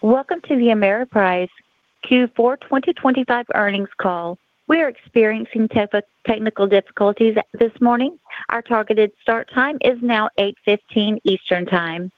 Welcome to the Ameriprise Q4 2025 earnings call. We are experiencing technical difficulties this morning. Our targeted start time is now 8:15 A.M. Eastern Time.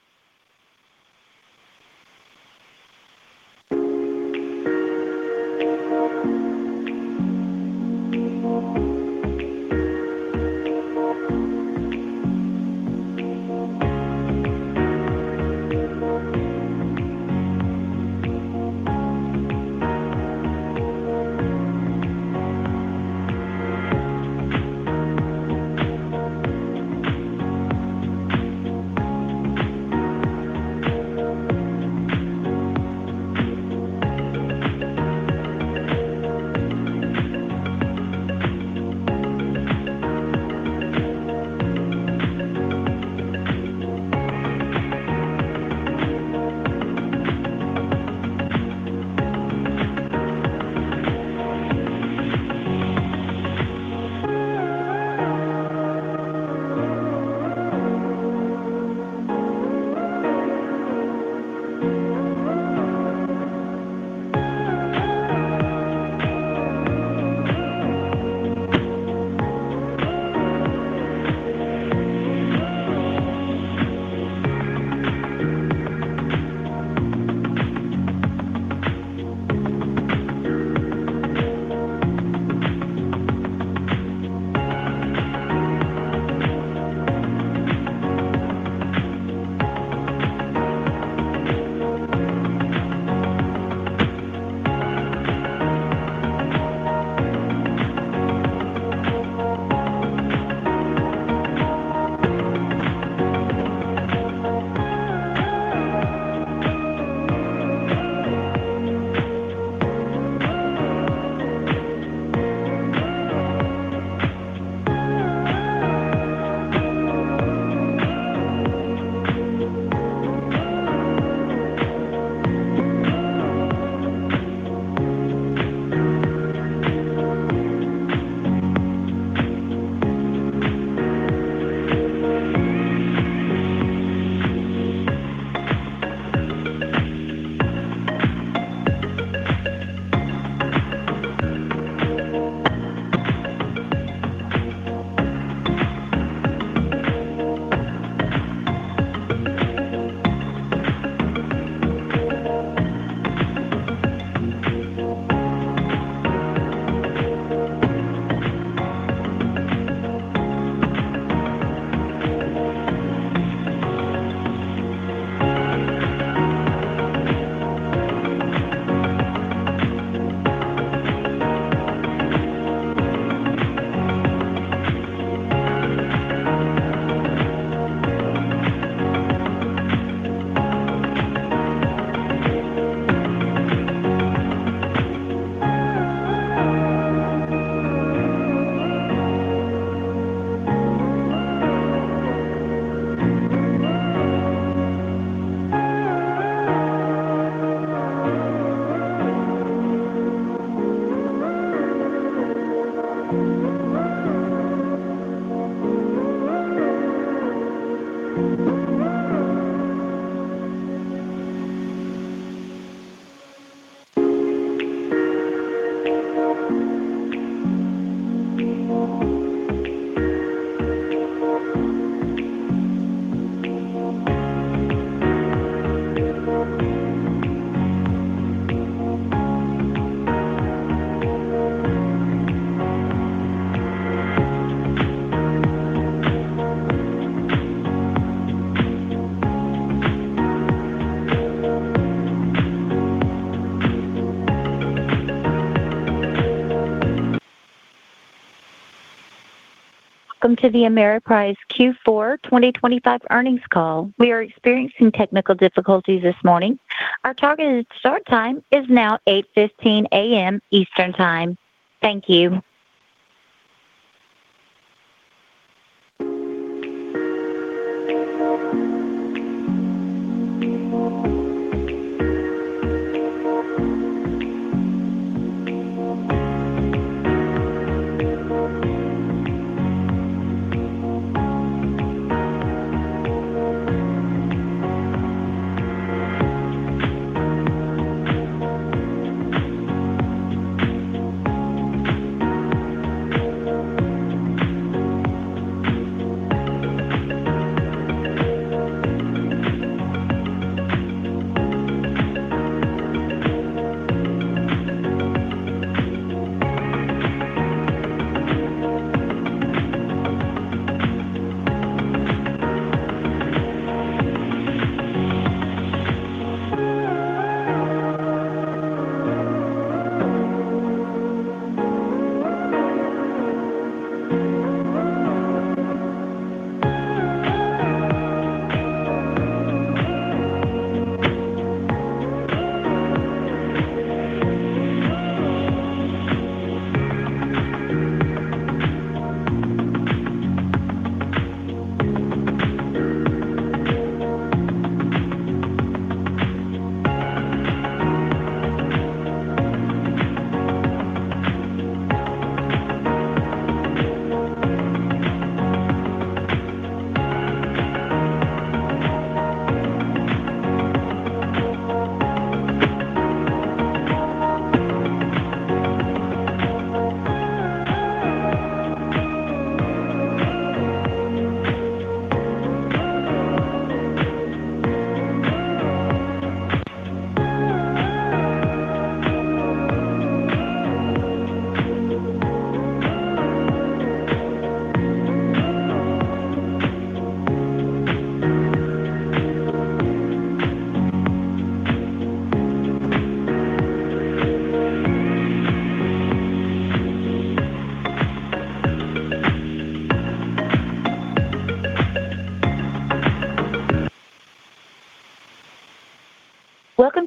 Welcome to the Ameriprise Q4 2025 earnings call. We are experiencing technical difficulties this morning. Our targeted start time is now 8:15 A.M. Eastern Time. Thank you.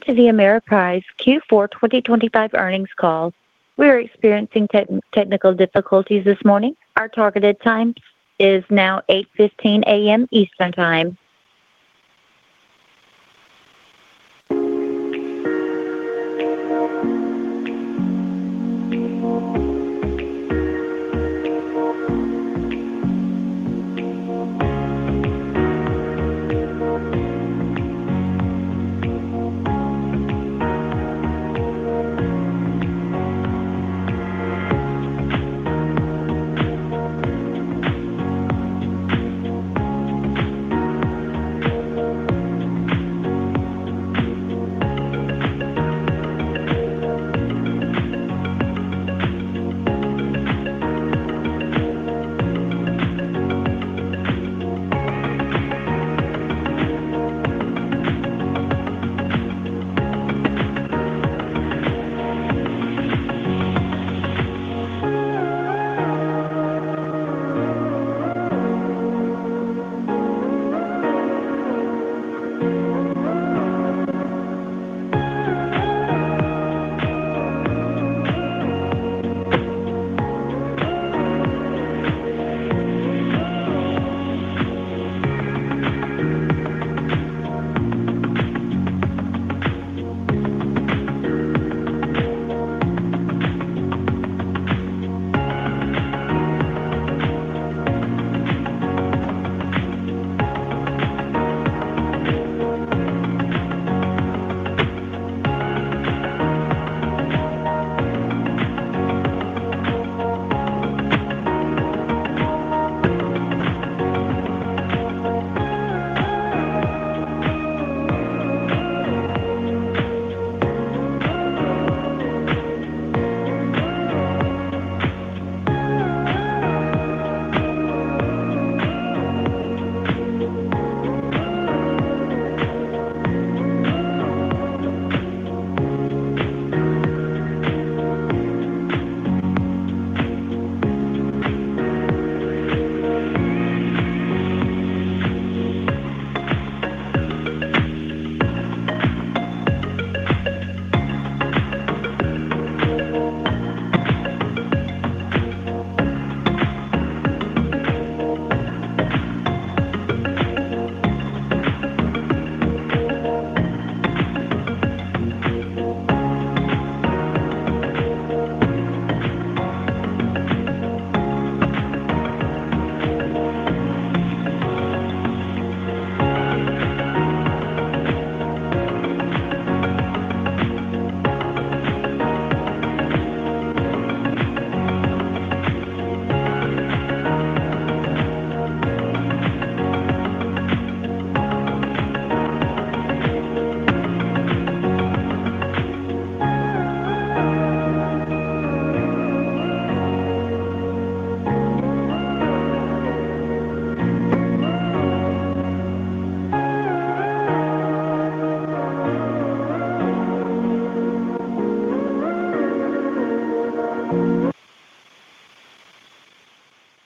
Welcome to the Ameriprise Q4 2025 earnings call. We are experiencing technical difficulties this morning. Our targeted time is now 8:15 A.M. Eastern Time.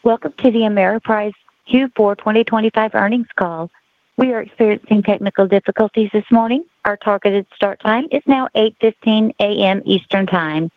Welcome to the Ameriprise Q4 2025 earnings call. We are experiencing technical difficulties this morning. Our targeted start time is now 8:15 A.M. Eastern Time.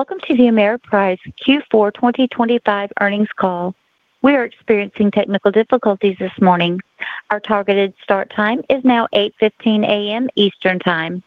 Welcome to the Ameriprise Q4 2025 earnings call. We are experiencing technical difficulties this morning. Our targeted start time is now 8:15 A.M. Eastern Time.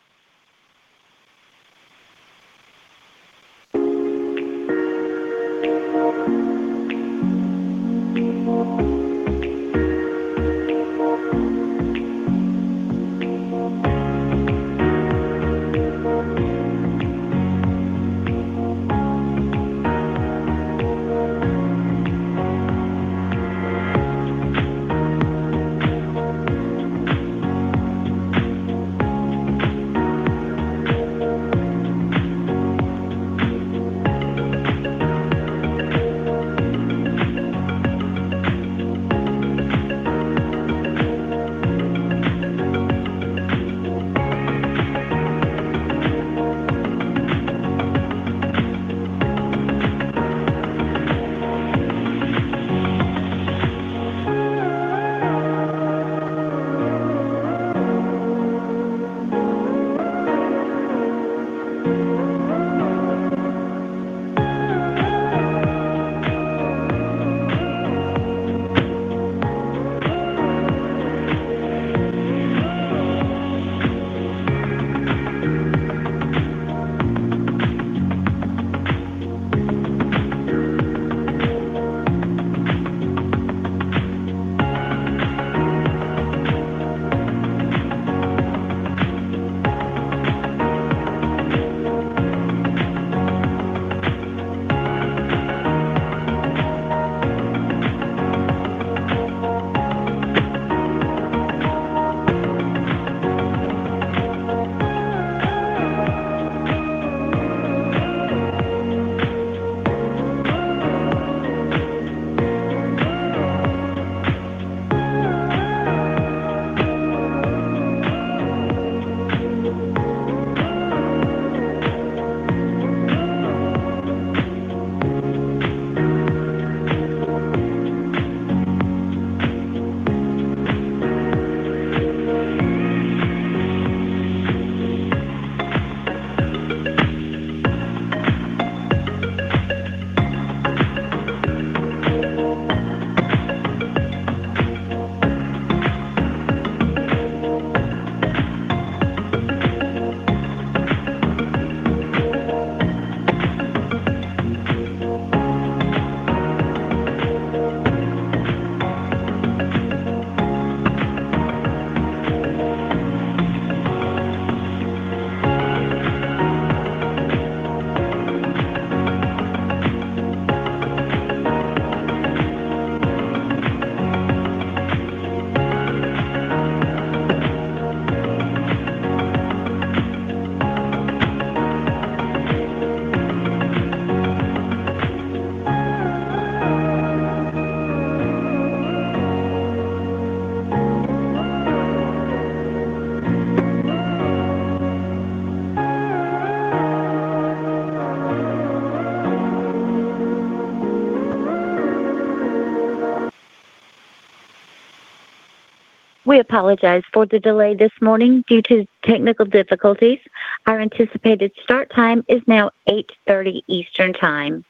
We apologize for the delay this morning due to technical difficulties. Our anticipated start time is now 8:30 A.M. Eastern Time.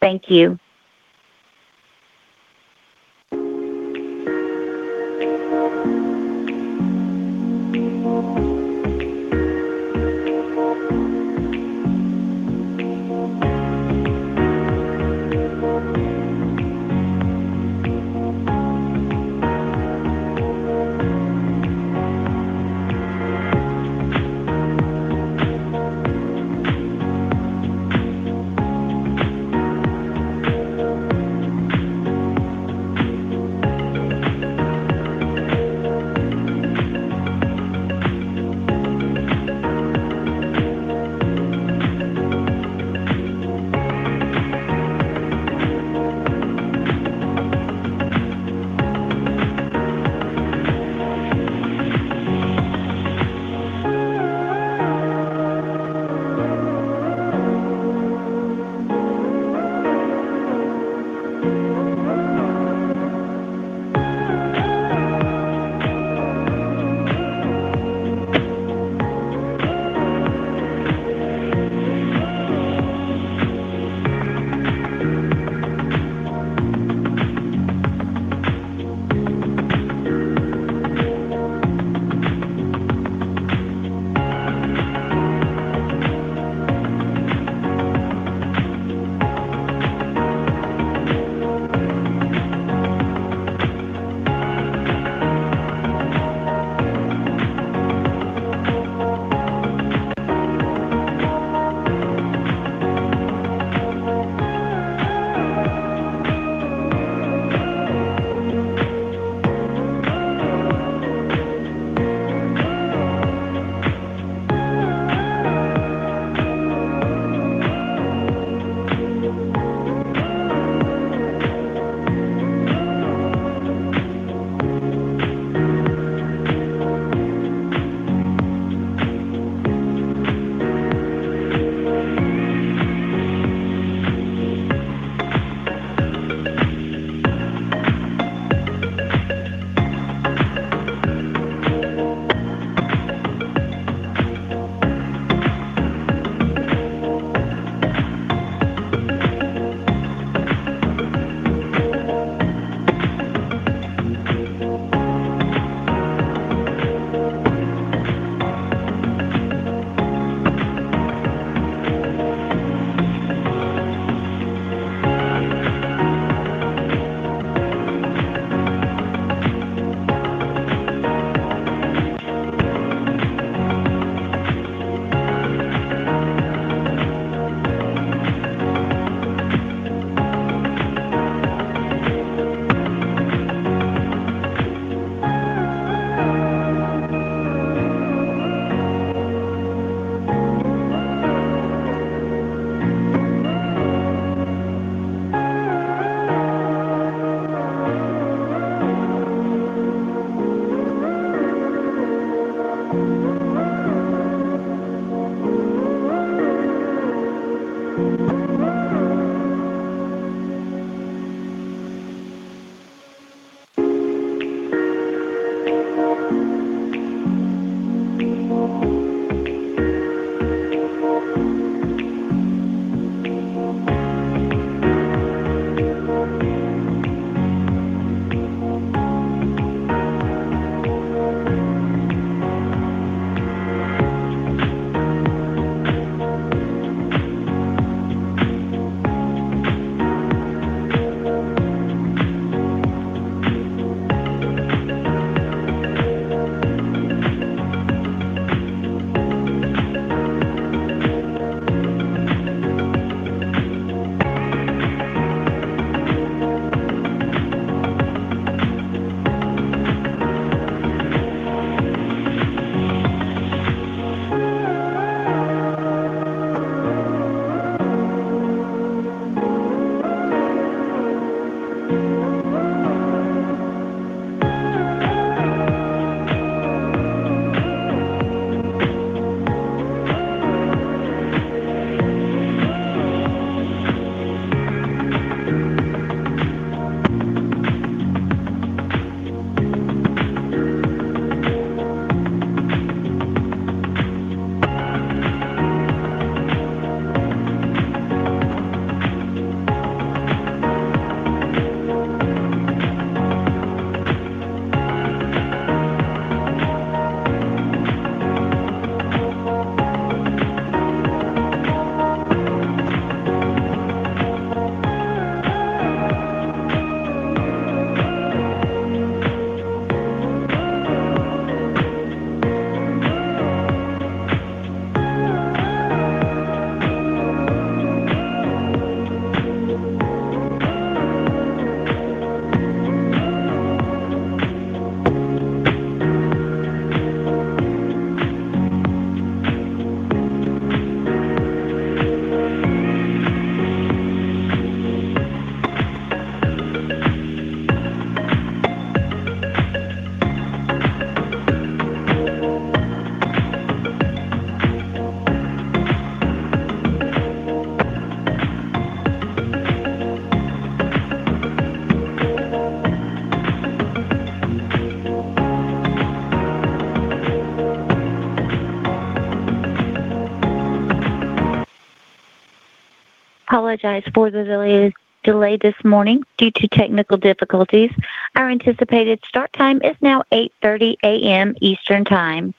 Thank you. Apologize for the delay this morning due to technical difficulties. Our anticipated start time is now 8:30 A.M. Eastern Time.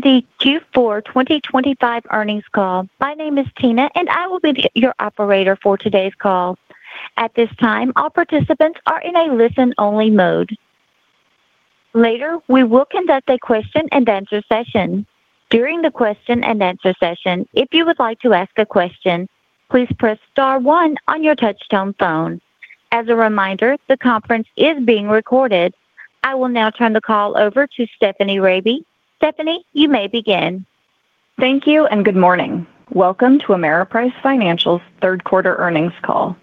Welcome to the Q4 2025 earnings call. My name is Tina, and I will be your operator for today's call. At this time, all participants are in a listen-only mode. Later, we will conduct a question-and-answer session. During the question-and-answer session, if you would like to ask a question, please press star one on your touch-tone phone. As a reminder, the conference is being recorded. I will now turn the call over to Stephanie Rabe. Stephanie, you may begin. Thank you and good morning. Welcome to Ameriprise Financial's third-quarter earnings call.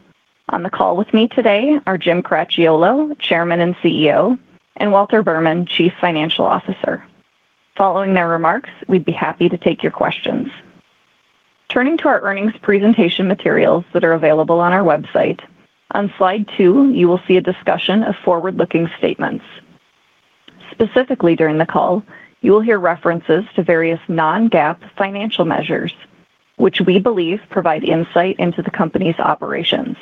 On the call with me today are Jim Cracchiolo, Chairman and CEO, and Walter Berman, Chief Financial Officer. Following their remarks, we'd be happy to take your questions. Turning to our earnings presentation materials that are available on our website, on slide 2, you will see a discussion of forward-looking statements. Specifically, during the call, you will hear references to various non-GAAP financial measures, which we believe provide insight into the company's operations.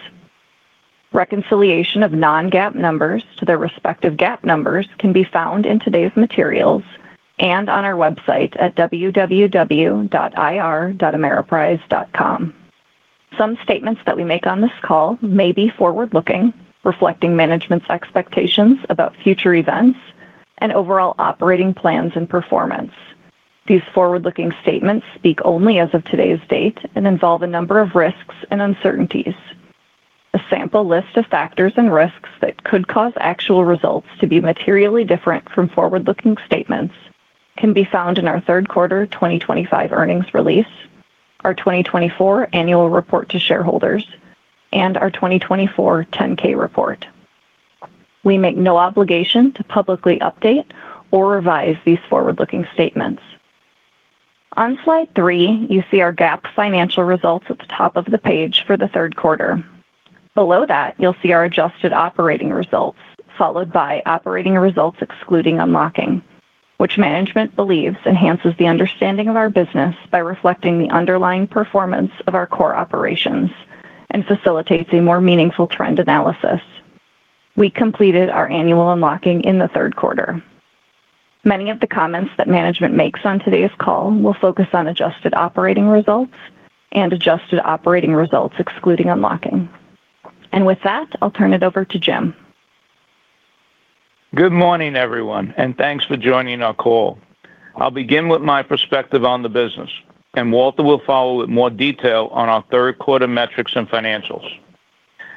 Reconciliation of non-GAAP numbers to their respective GAAP numbers can be found in today's materials and on our website at www.ir.ameriprise.com. Some statements that we make on this call may be forward-looking, reflecting management's expectations about future events and overall operating plans and performance. These forward-looking statements speak only as of today's date and involve a number of risks and uncertainties. A sample list of factors and risks that could cause actual results to be materially different from forward-looking statements can be found in our third-quarter 2025 earnings release, our 2024 annual report to shareholders, and our 2024 10-K report. We make no obligation to publicly update or revise these forward-looking statements. On slide three, you see our GAAP financial results at the top of the page for the third quarter. Below that, you'll see our adjusted operating results, followed by operating results excluding unlocking, which management believes enhances the understanding of our business by reflecting the underlying performance of our core operations and facilitates a more meaningful trend analysis. We completed our annual unlocking in the third quarter. Many of the comments that management makes on today's call will focus on adjusted operating results and adjusted operating results excluding unlocking. And with that, I'll turn it over to Jim. Good morning, everyone, and thanks for joining our call. I'll begin with my perspective on the business, and Walter will follow with more detail on our third-quarter metrics and financials.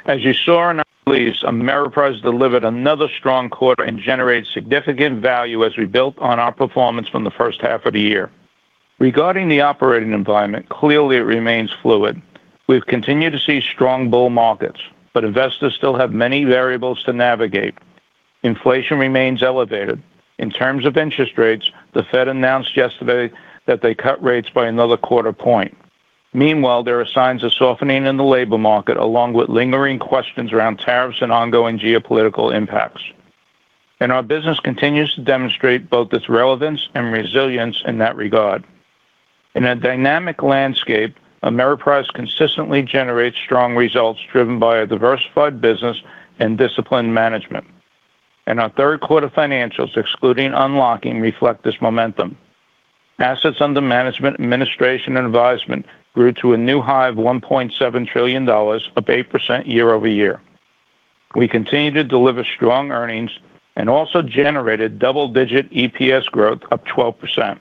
As you saw in our release, Ameriprise delivered another strong quarter and generated significant value as we built on our performance from the first half of the year. Regarding the operating environment, clearly it remains fluid. We've continued to see strong bull markets, but investors still have many variables to navigate. Inflation remains elevated. In terms of interest rates, the Fed announced yesterday that they cut rates by another quarter point. Meanwhile, there are signs of softening in the labor market, along with lingering questions around tariffs and ongoing geopolitical impacts. And our business continues to demonstrate both its relevance and resilience in that regard. In a dynamic landscape, Ameriprise consistently generates strong results driven by a diversified business and disciplined management. And our third-quarter financials, excluding unlocking, reflect this momentum. Assets under management, administration, and advisement grew to a new high of $1.7 trillion, up 8% year-over-year. We continue to deliver strong earnings and also generated double-digit EPS growth of 12%.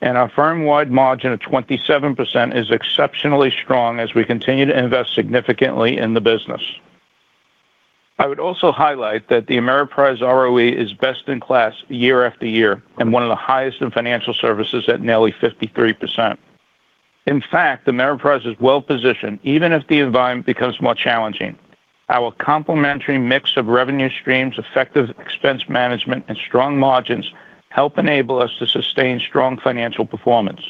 Our firm-wide margin of 27% is exceptionally strong as we continue to invest significantly in the business. I would also highlight that the Ameriprise ROE is best in class year after year and one of the highest in financial services at nearly 53%. In fact, Ameriprise is well-positioned even if the environment becomes more challenging. Our complementary mix of revenue streams, effective expense management, and strong margins help enable us to sustain strong financial performance.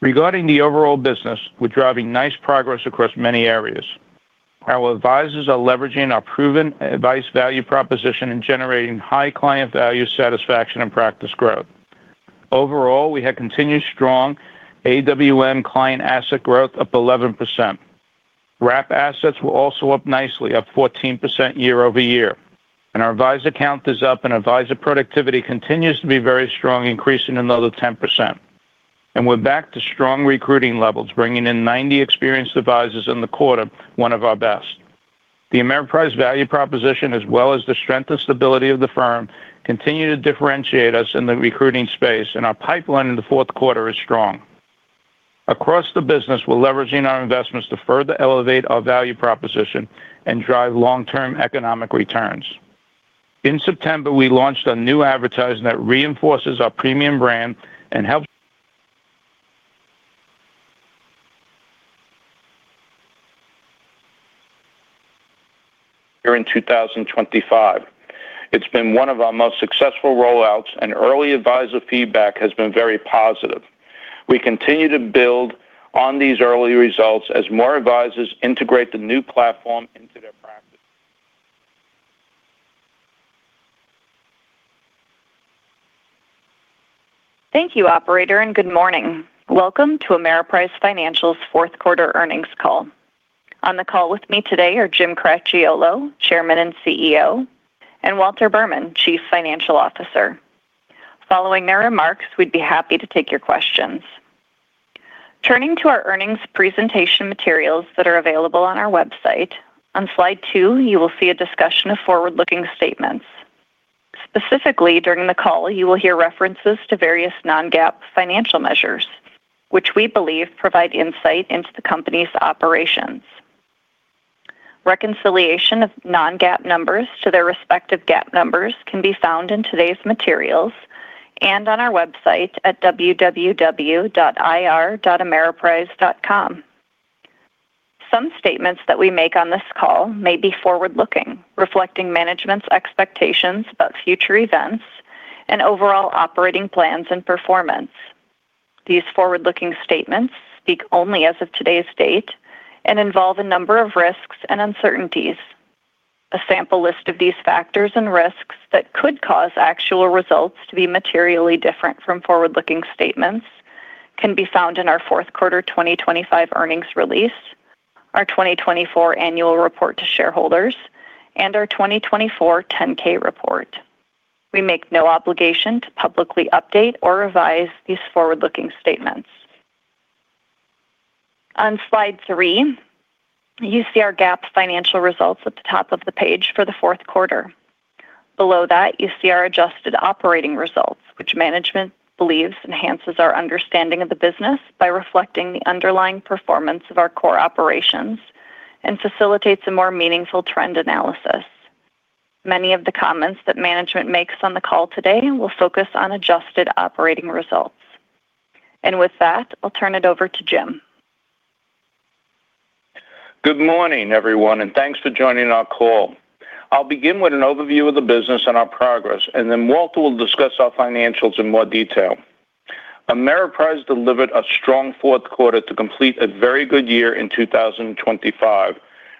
Regarding the overall business, we're driving nice progress across many areas. Our advisors are leveraging our proven advice value proposition and generating high client value satisfaction and practice growth. Overall, we have continued strong AWM client asset growth of 11%. Wrap assets will also up nicely, up 14% year-over-year. Our advisor count is up, and advisor productivity continues to be very strong, increasing another 10%. And we're back to strong recruiting levels, bringing in 90 experienced advisors in the quarter, one of our best. The Ameriprise value proposition, as well as the strength and stability of the firm, continue to differentiate us in the recruiting space, and our pipeline in the fourth quarter is strong. Across the business, we're leveraging our investments to further elevate our value proposition and drive long-term economic returns. In September, we launched a new advertisement that reinforces our premium brand and helps during 2025. It's been one of our most successful rollouts, and early advisor feedback has been very positive. We continue to build on these early results as more advisors integrate the new platform into their practice. Thank you, Operator, and good morning. Welcome to Ameriprise Financial's fourth-quarter earnings call. On the call with me today are Jim Cracchiolo, Chairman and CEO, and Walter Berman, Chief Financial Officer. Following their remarks, we'd be happy to take your questions. Turning to our earnings presentation materials that are available on our website, on slide two, you will see a discussion of forward-looking statements. Specifically, during the call, you will hear references to various non-GAAP financial measures, which we believe provide insight into the company's operations. Reconciliation of non-GAAP numbers to their respective GAAP numbers can be found in today's materials and on our website at www.ir.ameriprise.com. Some statements that we make on this call may be forward-looking, reflecting management's expectations about future events and overall operating plans and performance. These forward-looking statements speak only as of today's date and involve a number of risks and uncertainties. A sample list of these factors and risks that could cause actual results to be materially different from forward-looking statements can be found in our fourth-quarter 2025 earnings release, our 2024 annual report to shareholders, and our 2024 10-K report. We make no obligation to publicly update or revise these forward-looking statements. On slide three, you see our GAAP financial results at the top of the page for the fourth quarter. Below that, you see our adjusted operating results, which management believes enhances our understanding of the business by reflecting the underlying performance of our core operations and facilitates a more meaningful trend analysis. Many of the comments that management makes on the call today will focus on adjusted operating results. And with that, I'll turn it over to Jim. Good morning, everyone, and thanks for joining our call. I'll begin with an overview of the business and our progress, and then Walter will discuss our financials in more detail. Ameriprise delivered a strong fourth quarter to complete a very good year in 2025,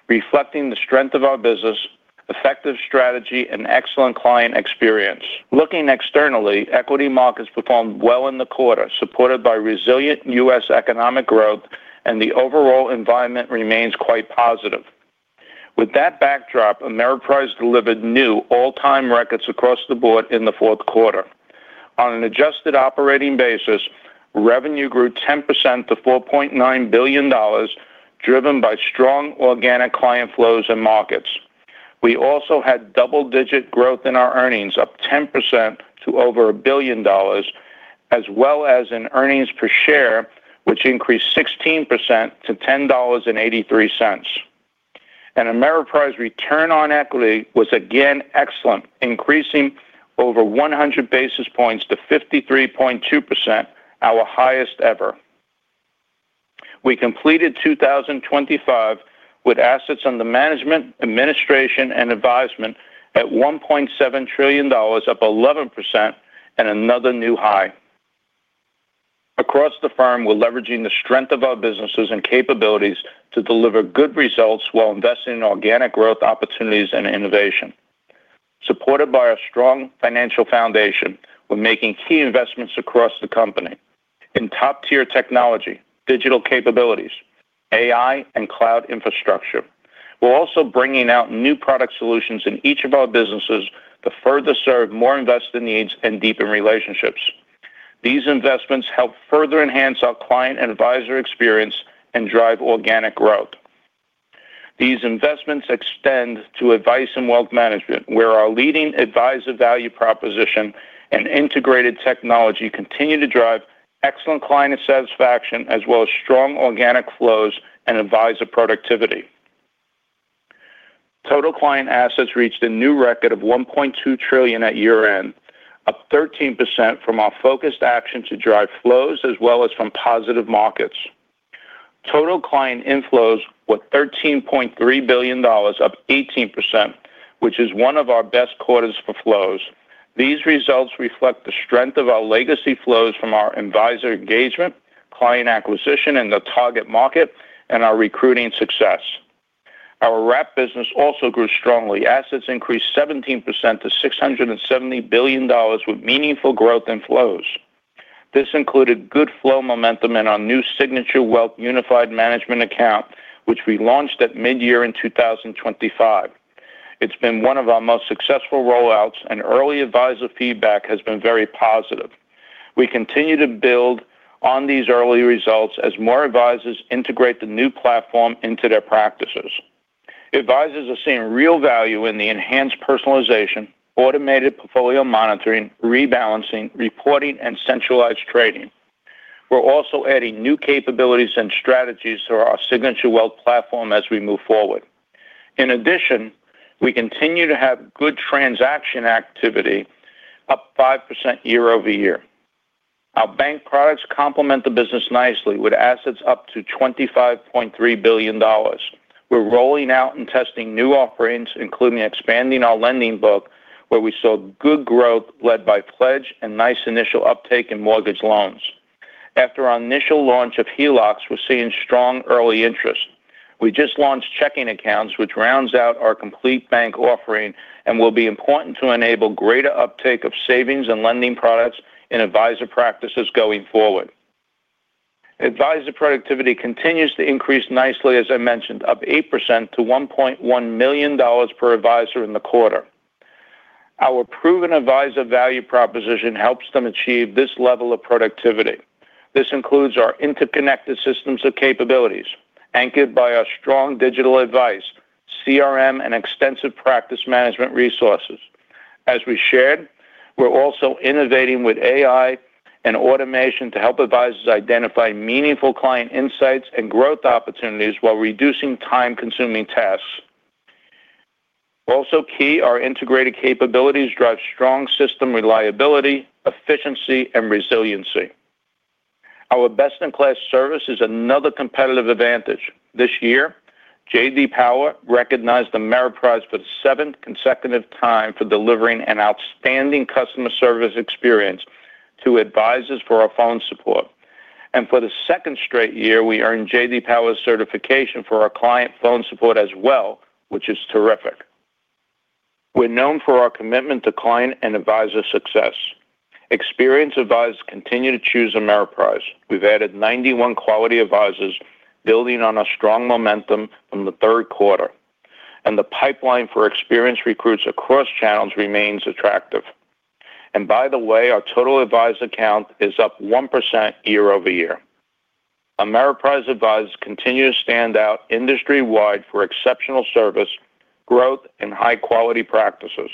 reflecting the strength of our business, effective strategy, and excellent client experience. Looking externally, equity markets performed well in the quarter, supported by resilient U.S. economic growth, and the overall environment remains quite positive. With that backdrop, Ameriprise delivered new all-time records across the board in the fourth quarter. On an adjusted operating basis, revenue grew 10% to $4.9 billion, driven by strong organic client flows and markets. We also had double-digit growth in our earnings, up 10% to over $1 billion, as well as in earnings per share, which increased 16% to $10.83. Ameriprise's return on equity was again excellent, increasing over 100 basis points to 53.2%, our highest ever. We completed 2025 with assets under management, administration, and advisement at $1.7 trillion, up 11%, and another new high. Across the firm, we're leveraging the strength of our businesses and capabilities to deliver good results while investing in organic growth opportunities and innovation. Supported by our strong financial foundation, we're making key investments across the company in top-tier technology, digital capabilities, AI, and cloud infrastructure. We're also bringing out new product solutions in each of our businesses to further serve more investor needs and deepen relationships. These investments help further enhance our client and advisor experience and drive organic growth. These investments extend to Advice & Wealth management, where our leading advisor value proposition and integrated technology continue to drive excellent client satisfaction, as well as strong organic flows and advisor productivity. Total client assets reached a new record of $1.2 trillion at year-end, up 13% from our focused action to drive flows, as well as from positive markets. Total client inflows were $13.3 billion, up 18%, which is one of our best quarters for flows. These results reflect the strength of our legacy flows from our advisor engagement, client acquisition, and the target market, and our recruiting success. Our RAP business also grew strongly. Assets increased 17% to $670 billion, with meaningful growth in flows. This included good flow momentum in our new Signature Wealth Unified Managed Account, which we launched at mid-year in 2025. It's been one of our most successful rollouts, and early advisor feedback has been very positive. We continue to build on these early results as more advisors integrate the new platform into their practices. Advisors are seeing real value in the enhanced personalization, automated portfolio monitoring, rebalancing, reporting, and centralized trading. We're also adding new capabilities and strategies through our Signature Wealth platform as we move forward. In addition, we continue to have good transaction activity, up 5% year-over-year. Our bank products complement the business nicely, with assets up to $25.3 billion. We're rolling out and testing new offerings, including expanding our lending book, where we saw good growth led by pledge and nice initial uptake in mortgage loans. After our initial launch of HELOCs, we're seeing strong early interest. We just launched checking accounts, which rounds out our complete bank offering and will be important to enable greater uptake of savings and lending products in advisor practices going forward. Advisor productivity continues to increase nicely, as I mentioned, up 8% to $1.1 million per advisor in the quarter. Our proven advisor value proposition helps them achieve this level of productivity. This includes our interconnected systems of capabilities, anchored by our strong digital advice, CRM, and extensive practice management resources. As we shared, we're also innovating with AI and automation to help advisors identify meaningful client insights and growth opportunities while reducing time-consuming tasks. Also key, our integrated capabilities drive strong system reliability, efficiency, and resiliency. Our best-in-class service is another competitive advantage. This year, J.D. Power recognized Ameriprise for the seventh consecutive time for delivering an outstanding customer service experience to advisors for our phone support. And for the second straight year, we earned J.D. Power certification for our client phone support as well, which is terrific. We're known for our commitment to client and advisor success. Experienced advisors continue to choose Ameriprise. We've added 91 quality advisors, building on our strong momentum from the third quarter. The pipeline for experienced recruits across channels remains attractive. And by the way, our total advisor count is up 1% year-over-year. Ameriprise advisors continue to stand out industry-wide for exceptional service, growth, and high-quality practices.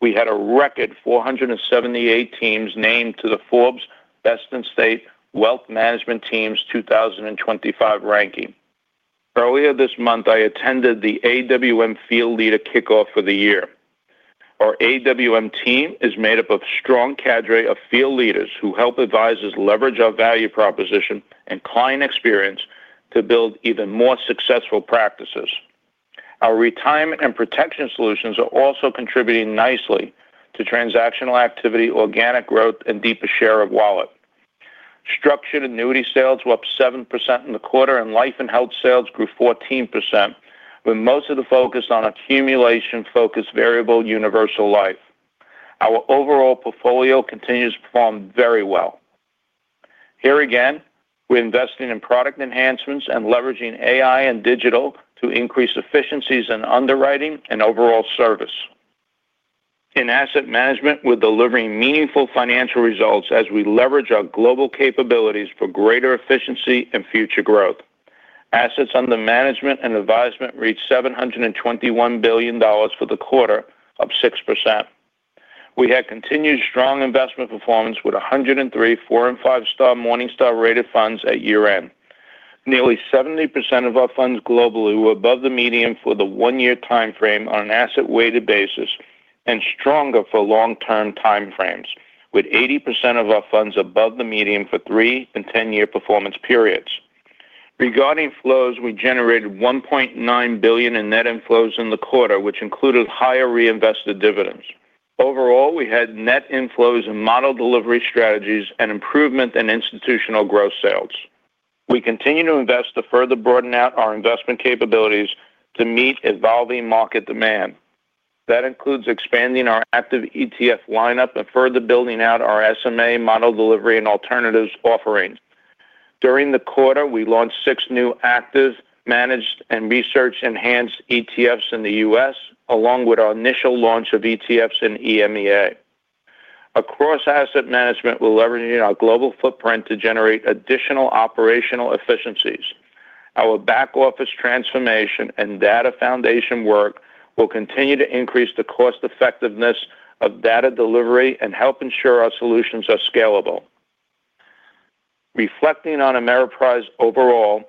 We had a record 478 teams named to the Forbes Best-in-State Wealth Management Teams 2025 ranking. Earlier this month, I attended the AWM Field Leader Kickoff for the year. Our AWM team is made up of strong cadre of field leaders who help advisors leverage our value proposition and client experience to build even more successful practices. Our retirement and protection solutions are also contributing nicely to transactional activity, organic growth, and deeper share of wallet. Structured annuity sales were up 7% in the quarter, and life and health sales grew 14%, with most of the focus on accumulation-focused Variable Universal Life. Our overall portfolio continues to perform very well. Here again, we're investing in product enhancements and leveraging AI and digital to increase efficiencies in underwriting and overall service. In asset management, we're delivering meaningful financial results as we leverage our global capabilities for greater efficiency and future growth. Assets under management and advisement reached $721 billion for the quarter, up 6%. We have continued strong investment performance with 103 4-star and 5-star Morningstar-rated funds at year-end. Nearly 70% of our funds globally were above the median for the one-year timeframe on an asset-weighted basis and stronger for long-term timeframes, with 80% of our funds above the median for three and 10 year performance periods. Regarding flows, we generated $1.9 billion in net inflows in the quarter, which included higher reinvested dividends. Overall, we had net inflows in model delivery strategies and improvement in institutional growth sales. We continue to invest to further broaden out our investment capabilities to meet evolving market demand. That includes expanding our active ETF lineup and further building out our SMA model delivery and alternatives offering. During the quarter, we launched six new active, managed, and research-enhanced ETFs in the U.S., along with our initial launch of ETFs in EMEA. Across asset management, we're leveraging our global footprint to generate additional operational efficiencies. Our back-office transformation and data foundation work will continue to increase the cost-effectiveness of data delivery and help ensure our solutions are scalable. Reflecting on Ameriprise overall,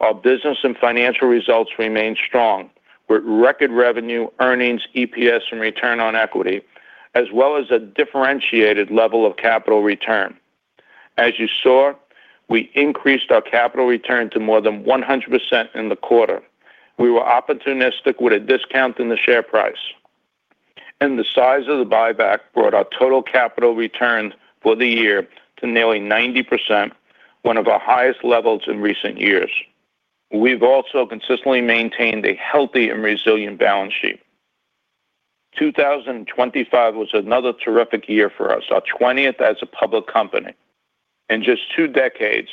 our business and financial results remain strong, with record revenue, earnings, EPS, and return on equity, as well as a differentiated level of capital return. As you saw, we increased our capital return to more than 100% in the quarter. We were opportunistic with a discount in the share price. And the size of the buyback brought our total capital return for the year to nearly 90%, one of our highest levels in recent years. We've also consistently maintained a healthy and resilient balance sheet. 2025 was another terrific year for us, our 20th as a public company. In just two decades,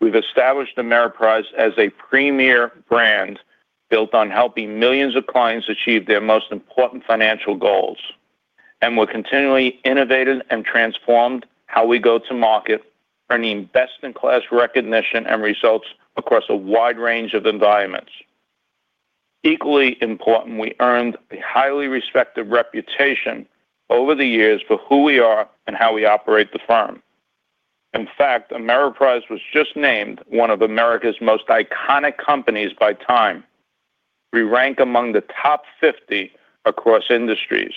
we've established Ameriprise as a premier brand built on helping millions of clients achieve their most important financial goals. And we're continually innovated and transformed how we go to market, earning best-in-class recognition and results across a wide range of environments. Equally important, we earned a highly respected reputation over the years for who we are and how we operate the firm. In fact, Ameriprise was just named one of America's Most Iconic Companies by TIME. We rank among the top 50 across industries,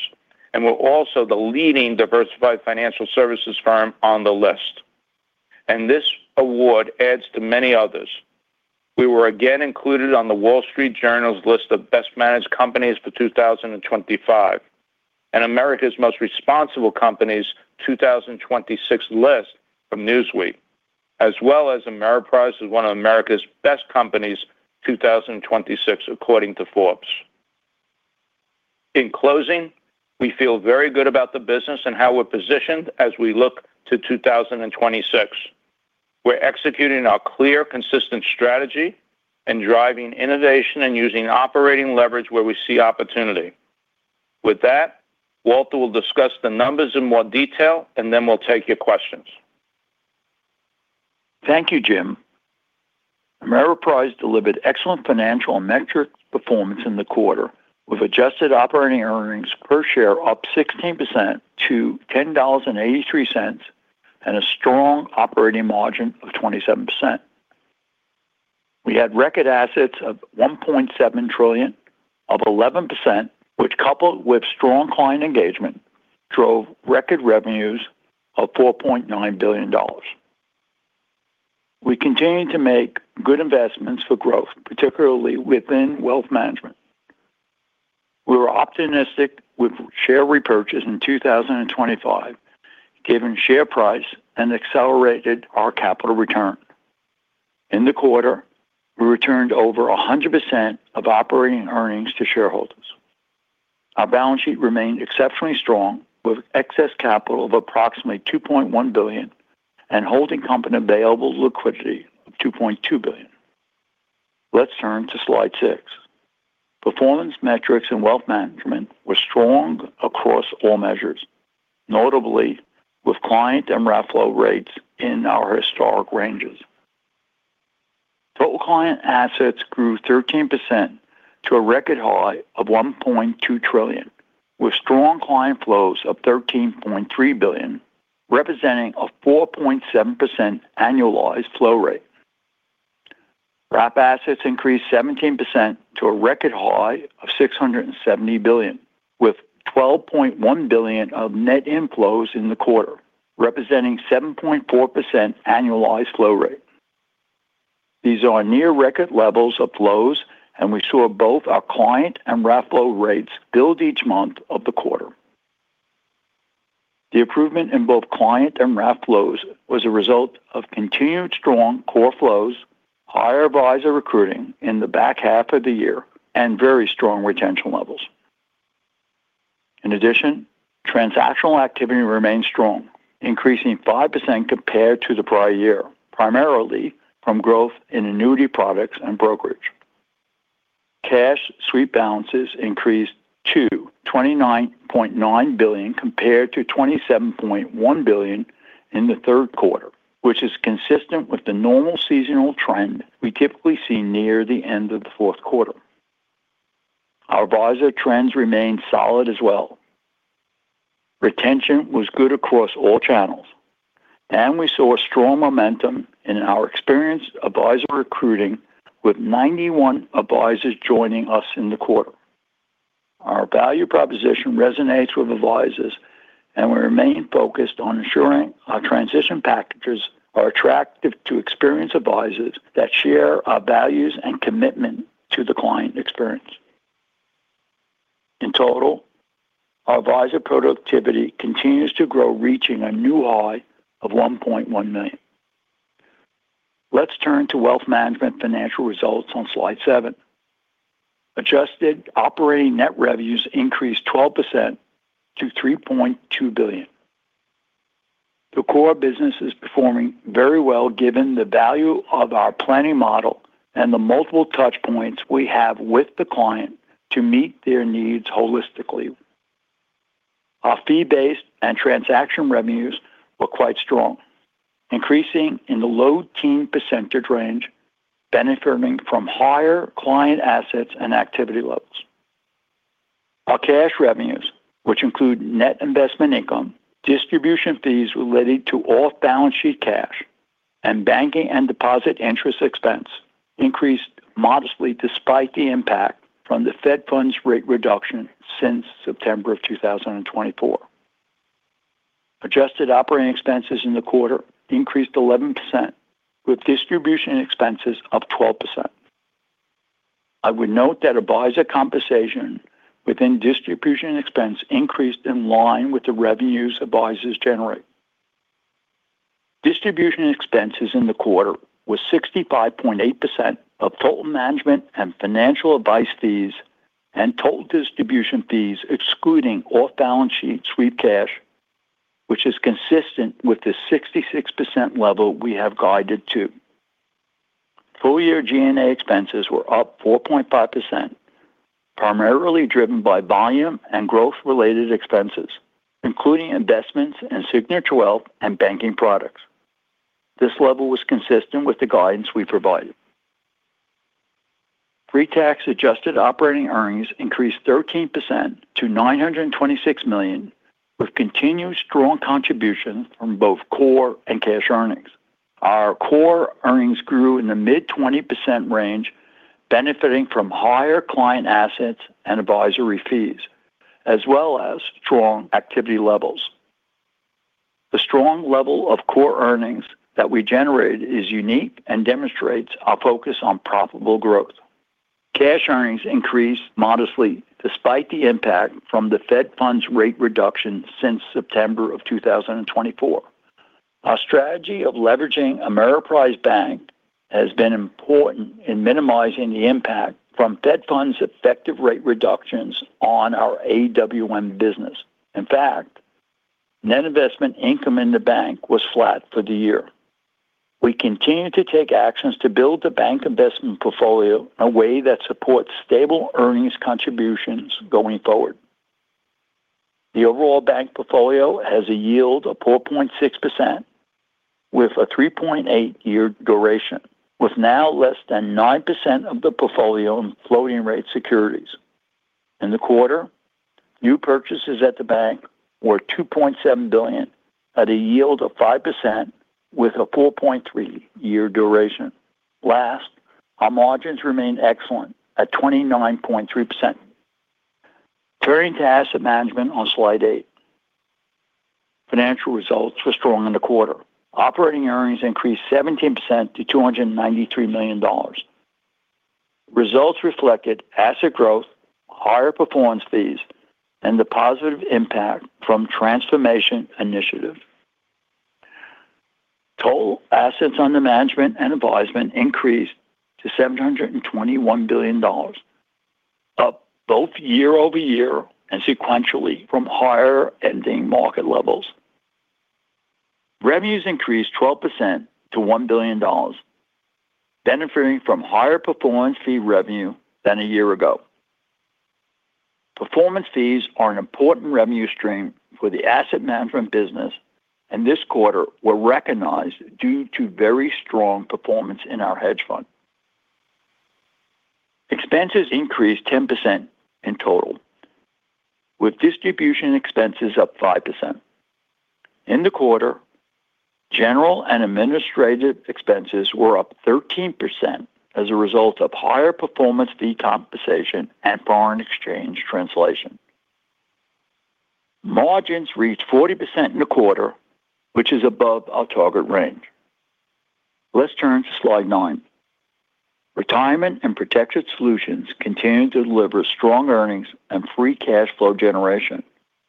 and we're also the leading diversified financial services firm on the list. This award adds to many others. We were again included on the Wall Street Journal's list of best-managed companies for 2025, and America's most responsible companies 2026 list from Newsweek, as well as Ameriprise as one of America's best companies 2026, according to Forbes. In closing, we feel very good about the business and how we're positioned as we look to 2026. We're executing our clear, consistent strategy and driving innovation and using operating leverage where we see opportunity. With that, Walter will discuss the numbers in more detail, and then we'll take your questions. Thank you, Jim. Ameriprise delivered excellent financial and metric performance in the quarter, with adjusted operating earnings per share up 16% to $10.83 and a strong operating margin of 27%. We had record assets of $1.7 trillion, up 11%, which, coupled with strong client engagement, drove record revenues of $4.9 billion. We continue to make good investments for growth, particularly within wealth management. We were optimistic with share repurchase in 2025, given share price and accelerated our capital return. In the quarter, we returned over 100% of operating earnings to shareholders. Our balance sheet remained exceptionally strong, with excess capital of approximately $2.1 billion and holding company available liquidity of $2.2 billion. Let's turn to slide 6. Performance metrics and wealth management were strong across all measures, notably with client and RAP flow rates in our historic ranges. Total client assets grew 13% to a record high of $1.2 trillion, with strong client flows of $13.3 billion, representing a 4.7% annualized flow rate. RAP assets increased 17% to a record high of $670 billion, with $12.1 billion of net inflows in the quarter, representing 7.4% annualized flow rate. These are near-record levels of flows, and we saw both our client and RAP flow rates build each month of the quarter. The improvement in both client and RAP flows was a result of continued strong core flows, higher advisor recruiting in the back half of the year, and very strong retention levels. In addition, transactional activity remained strong, increasing 5% compared to the prior year, primarily from growth in annuity products and brokerage. Cash sweep balances increased to $29.9 billion compared to $27.1 billion in the third quarter, which is consistent with the normal seasonal trend we typically see near the end of the fourth quarter. Our advisor trends remained solid as well. Retention was good across all channels, and we saw strong momentum in our experienced advisor recruiting, with 91 advisors joining us in the quarter. Our value proposition resonates with advisors, and we remain focused on ensuring our transition packages are attractive to experienced advisors that share our values and commitment to the client experience. In total, our advisor productivity continues to grow, reaching a new high of $1.1 million. Let's turn to wealth management financial results on slide seven. Adjusted operating net revenues increased 12% to $3.2 billion. The core business is performing very well given the value of our planning model and the multiple touchpoints we have with the client to meet their needs holistically. Our fee-based and transaction revenues were quite strong, increasing in the low 10% range, benefiting from higher client assets and activity levels. Our cash revenues, which include net investment income, distribution fees related to all balance sheet cash, and banking and deposit interest expense, increased modestly despite the impact from the Fed funds rate reduction since September of 2024. Adjusted operating expenses in the quarter increased 11%, with distribution expenses up 12%. I would note that advisor compensation within distribution expense increased in line with the revenues advisors generate. Distribution expenses in the quarter were 65.8% of total management and financial advice fees and total distribution fees excluding off-balance sheet sweep cash, which is consistent with the 66% level we have guided to. Full-year G&A expenses were up 4.5%, primarily driven by volume and growth-related expenses, including investments in signature wealth and banking products. This level was consistent with the guidance we provided. Pre-tax adjusted operating earnings increased 13% to $926 million, with continued strong contribution from both core and cash earnings. Our core earnings grew in the mid-20% range, benefiting from higher client assets and advisory fees, as well as strong activity levels. The strong level of core earnings that we generated is unique and demonstrates our focus on profitable growth. Cash earnings increased modestly despite the impact from the Fed funds rate reduction since September of 2024. Our strategy of leveraging Ameriprise Bank has been important in minimizing the impact from Fed funds effective rate reductions on our AWM business. In fact, net investment income in the bank was flat for the year. We continue to take actions to build the bank investment portfolio in a way that supports stable earnings contributions going forward. The overall bank portfolio has a yield of 4.6% with a 3.8 year duration, with now less than 9% of the portfolio in floating-rate securities. In the quarter, new purchases at the bank were $2.7 billion at a yield of 5% with a 4.3 year duration. Last, our margins remained excellent at 29.3%. Turning to asset management on slide 8, financial results were strong in the quarter. Operating earnings increased 17% to $293 million. Results reflected asset growth, higher performance fees, and the positive impact from transformation initiative. Total assets under management and advisement increased to $721 billion, up both year-over-year and sequentially from higher-ending market levels. Revenues increased 12% to $1 billion, benefiting from higher performance fee revenue than a year ago. Performance fees are an important revenue stream for the asset management business, and this quarter were recognized due to very strong performance in our hedge fund. Expenses increased 10% in total, with distribution expenses up 5%. In the quarter, general and administrative expenses were up 13% as a result of higher performance fee compensation and foreign exchange translation. Margins reached 40% in the quarter, which is above our target range. Let's turn to slide 9. Retirement and protection solutions continue to deliver strong earnings and free cash flow generation,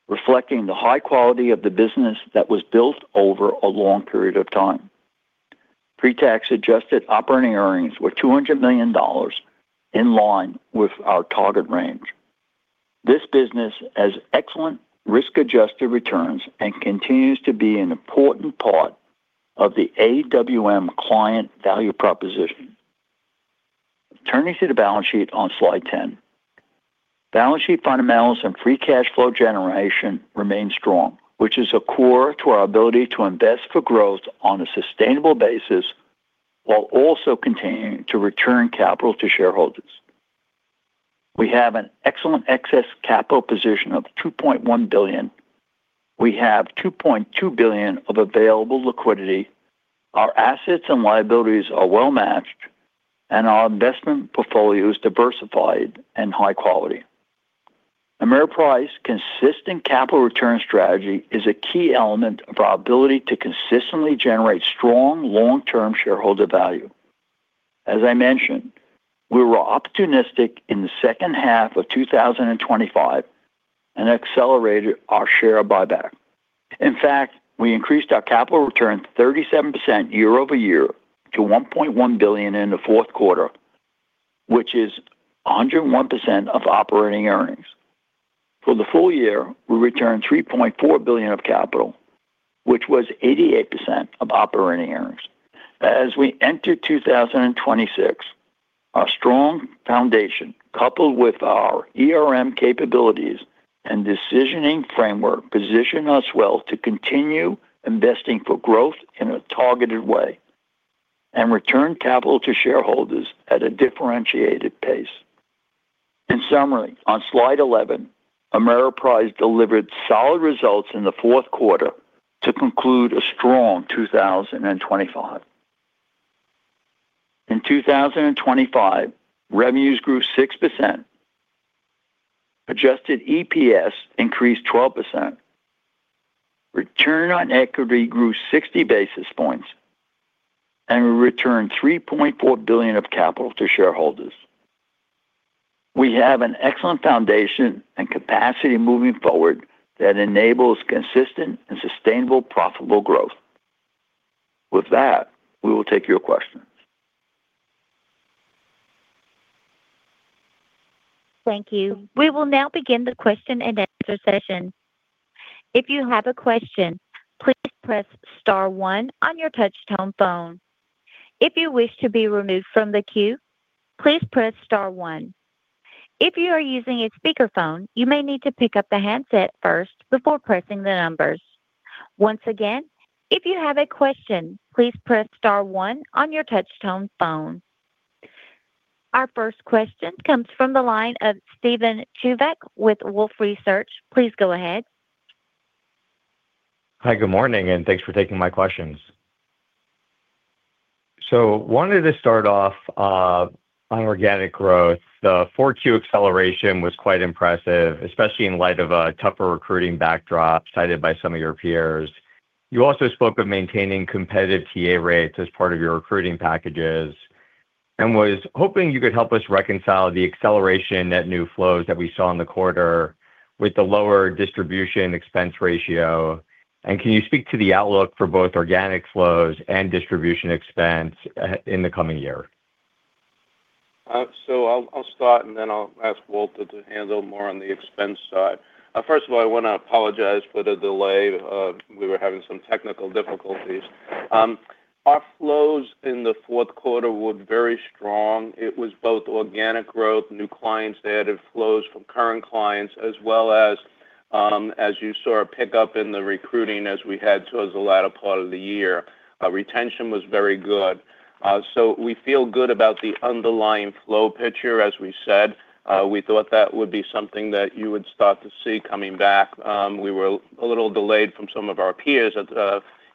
reflecting the high quality of the business that was built over a long period of time. Pre-tax adjusted operating earnings were $200 million in line with our target range. This business has excellent risk-adjusted returns and continues to be an important part of the AWM client value proposition. Turning to the balance sheet on slide 10, balance sheet fundamentals and free cash flow generation remain strong, which is core to our ability to invest for growth on a sustainable basis while also continuing to return capital to shareholders. We have an excellent excess capital position of $2.1 billion. We have $2.2 billion of available liquidity. Our assets and liabilities are well matched, and our investment portfolio is diversified and high quality. Ameriprise's consistent capital return strategy is a key element of our ability to consistently generate strong long-term shareholder value. As I mentioned, we were optimistic in the second half of 2025 and accelerated our share buyback. In fact, we increased our capital return 37% year-over-year to $1.1 billion in the fourth quarter, which is 101% of operating earnings. For the full year, we returned $3.4 billion of capital, which was 88% of operating earnings. As we enter 2026, our strong foundation, coupled with our capabilities and decisioning framework, position us well to continue investing for growth in a targeted way and return capital to shareholders at a differentiated pace. In summary, on slide 11, Ameriprise delivered solid results in the fourth quarter to conclude a strong 2025. In 2025, revenues grew 6%, adjusted EPS increased 12%, return on equity grew 60 basis points, and we returned $3.4 billion of capital to shareholders. We have an excellent foundation and capacity moving forward that enables consistent and sustainable profitable growth. With that, we will take your questions. Thank you. We will now begin the question and answer session. If you have a question, please press star one on your touch-tone phone. If you wish to be removed from the queue, please press star one. If you are using a speakerphone, you may need to pick up the handset first before pressing the numbers. Once again, if you have a question, please press star one on your touch-tone phone. Our first question comes from the line of Steven Chubak with Wolfe Research. Please go ahead. Hi, good morning, and thanks for taking my questions. So wanted to start off on organic growth. The 4Q acceleration was quite impressive, especially in light of a tougher recruiting backdrop cited by some of your peers. You also spoke of maintaining competitive TA rates as part of your recruiting packages and was hoping you could help us reconcile the acceleration net new flows that we saw in the quarter with the lower distribution expense ratio. And can you speak to the outlook for both organic flows and distribution expense in the coming year? So I'll start, and then I'll ask Walter to handle more on the expense side. First of all, I want to apologize for the delay. We were having some technical difficulties. Our flows in the fourth quarter were very strong. It was both organic growth, new clients added flows from current clients, as well as, as you saw, a pickup in the recruiting as we head towards the latter part of the year. Retention was very good. So we feel good about the underlying flow picture, as we said. We thought that would be something that you would start to see coming back. We were a little delayed from some of our peers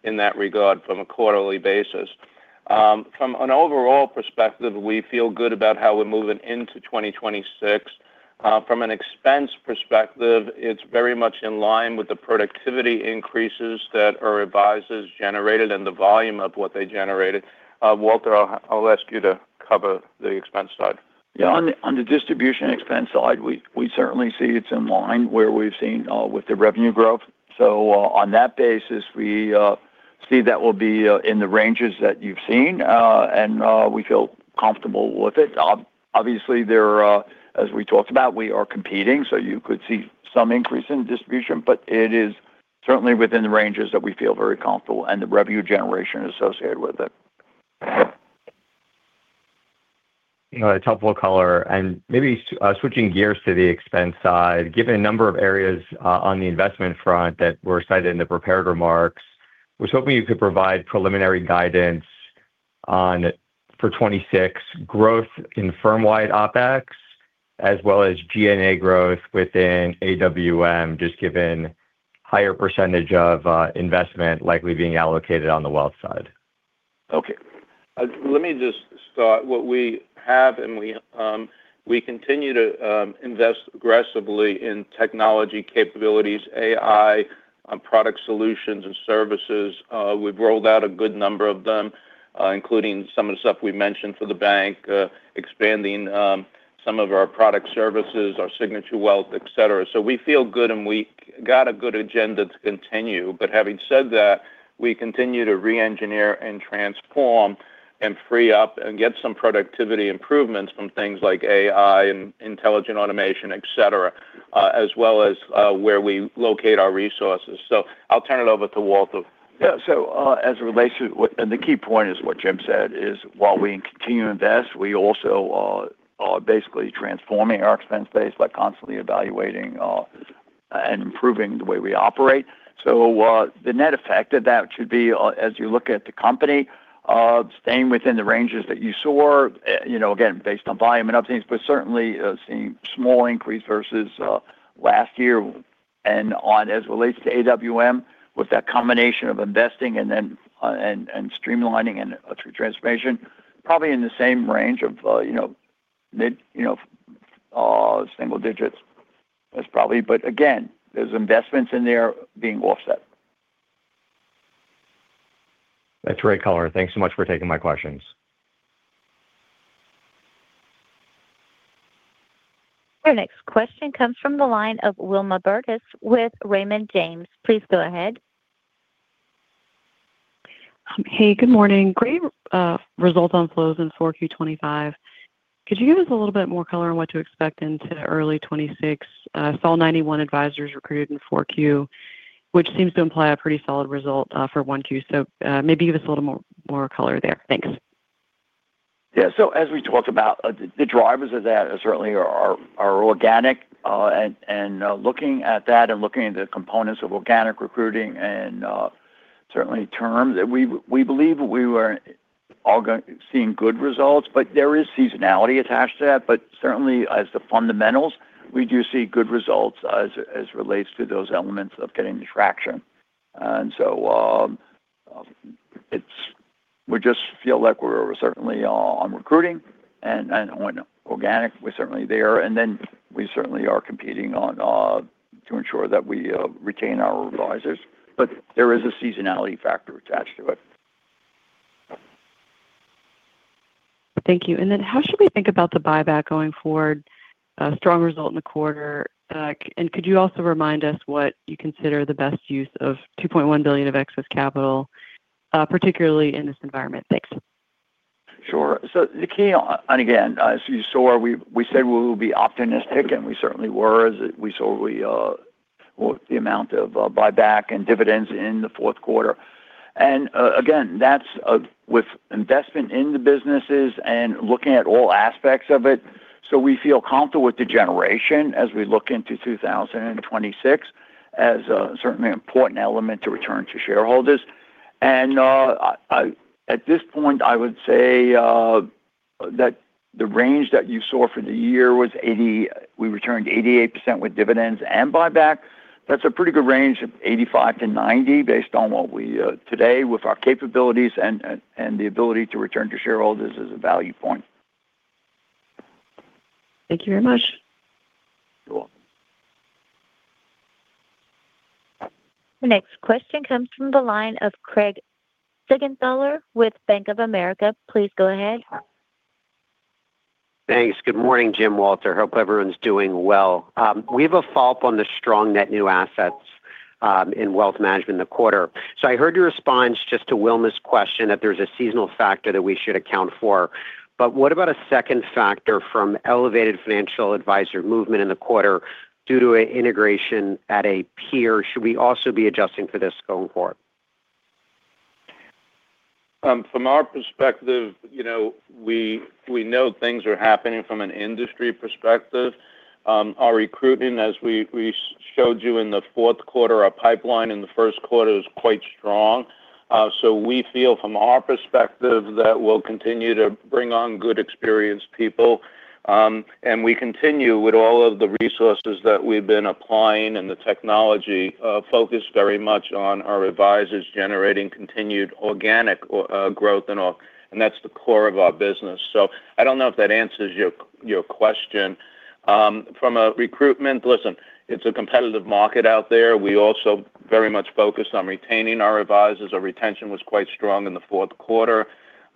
in that regard from a quarterly basis. From an overall perspective, we feel good about how we're moving into 2026. From an expense perspective, it's very much in line with the productivity increases that our advisors generated and the volume of what they generated. Walter, I'll ask you to cover the expense side. Yeah, on the distribution expense side, we certainly see it's in line where we've seen with the revenue growth. So on that basis, we see that we'll be in the ranges that you've seen, and we feel comfortable with it. Obviously, as we talked about, we are competing, so you could see some increase in distribution, but it is certainly within the ranges that we feel very comfortable and the revenue generation associated with it. You know, a topical color, and maybe switching gears to the expense side, given a number of areas on the investment front that were cited in the prepared remarks, I was hoping you could provide preliminary guidance on for 2026 growth in firm-wide OpEx, as well as G&A growth within AWM, just given the higher percentage of investment likely being allocated on the wealth side. Okay. Let me just start. What we have, and we continue to invest aggressively in technology capabilities, AI, product solutions, and services. We've rolled out a good number of them, including some of the stuff we mentioned for the bank, expanding some of our product services, our signature wealth, etc. So we feel good, and we got a good agenda to continue. But having said that, we continue to re-engineer and transform and free up and get some productivity improvements from things like AI and intelligent automation, etc., as well as where we locate our resources. So I'll turn it over to Walter. Yeah, so as it relates to the key point is what Jim said is, while we continue to invest, we also are basically transforming our expense base, like constantly evaluating and improving the way we operate. So the net effect of that should be, as you look at the company, staying within the ranges that you saw, you know, again, based on volume and other things, but certainly seeing a small increase versus last year. And as it relates to AWM, with that combination of investing and then streamlining and transformation, probably in the same range of, you know, single digits, that's probably. But again, there's investments in there being offset. That's right, Color. Thanks so much for taking my questions. Our next question comes from the line of Wilma Burdis with Raymond James. Please go ahead. Hey, good morning. Great result on flows in Q4 2025. Could you give us a little bit more color on what to expect into early 2026? I saw 91 advisors recruited in 4Q, which seems to imply a pretty solid result for Q1. So maybe give us a little more color there. Thanks. Yeah, so as we talked about, the drivers of that certainly are organic. And looking at that and looking at the components of organic recruiting and certainly terms, we believe we are seeing good results. But there is seasonality attached to that. But certainly, as the fundamentals, we do see good results as it relates to those elements of getting traction. And so we just feel like we're certainly on recruiting and organic. We're certainly there. And then we certainly are competing to ensure that we retain our advisors. But there is a seasonality factor attached to it. Thank you. And then how should we think about the buyback going forward? Strong result in the quarter. And could you also remind us what you consider the best use of $2.1 billion of excess capital, particularly in this environment? Thanks. Sure. So the key, and again, as you saw, we said we will be optimistic, and we certainly were. We saw the amount of buyback and dividends in the fourth quarter. And again, that's with investment in the businesses and looking at all aspects of it. So we feel comfortable with the generation as we look into 2026 as a certainly important element to return to shareholders. And at this point, I would say that the range that you saw for the year was 80. We returned 88% with dividends and buyback. That's a pretty good range, 85%-90%, based on what we today, with our capabilities and the ability to return to shareholders as a value point. Thank you very much. You're welcome. The next question comes from the line of Craig Siegenthaler with Bank of America. Please go ahead. Thanks. Good morning, Jim, Walter. Hope everyone's doing well. We have a follow-up on the strong net new assets in wealth management in the quarter. So I heard your response just to Wilma's question that there's a seasonal factor that we should account for. But what about a second factor from elevated financial advisor movement in the quarter due to an integration at a peer? Should we also be adjusting for this going forward? From our perspective, you know, we know things are happening from an industry perspective. Our recruiting, as we showed you in the fourth quarter, our pipeline in the first quarter is quite strong. So we feel, from our perspective, that we'll continue to bring on good experienced people. And we continue with all of the resources that we've been applying and the technology focused very much on our advisors generating continued organic growth. And that's the core of our business. So I don't know if that answers your question. From a recruitment, listen, it's a competitive market out there. We also very much focused on retaining our advisors. Our retention was quite strong in the fourth quarter.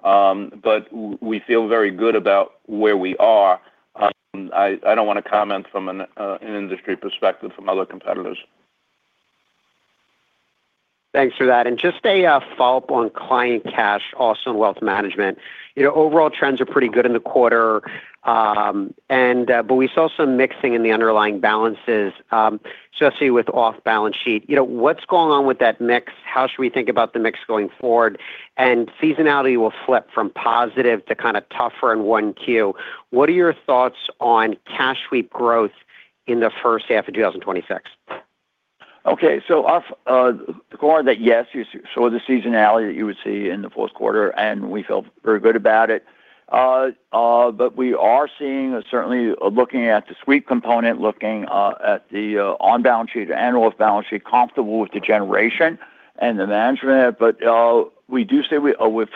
But we feel very good about where we are. I don't want to comment from an industry perspective from other competitors. Thanks for that. And just a follow-up on client cash, Advice & Wealth Management. Overall trends are pretty good in the quarter. But we saw some mixing in the underlying balances, especially with off-balance sheet. What's going on with that mix? How should we think about the mix going forward? And seasonality will flip from positive to kind of tougher in 1Q. What are your thoughts on cash sweep growth in the first half of 2026? Okay. So the core that, yes, you saw the seasonality that you would see in the fourth quarter, and we felt very good about it. But we are seeing, certainly looking at the sweep component, looking at the on-balance sheet and off-balance sheet, comfortable with the generation and the management of it. But we do say we're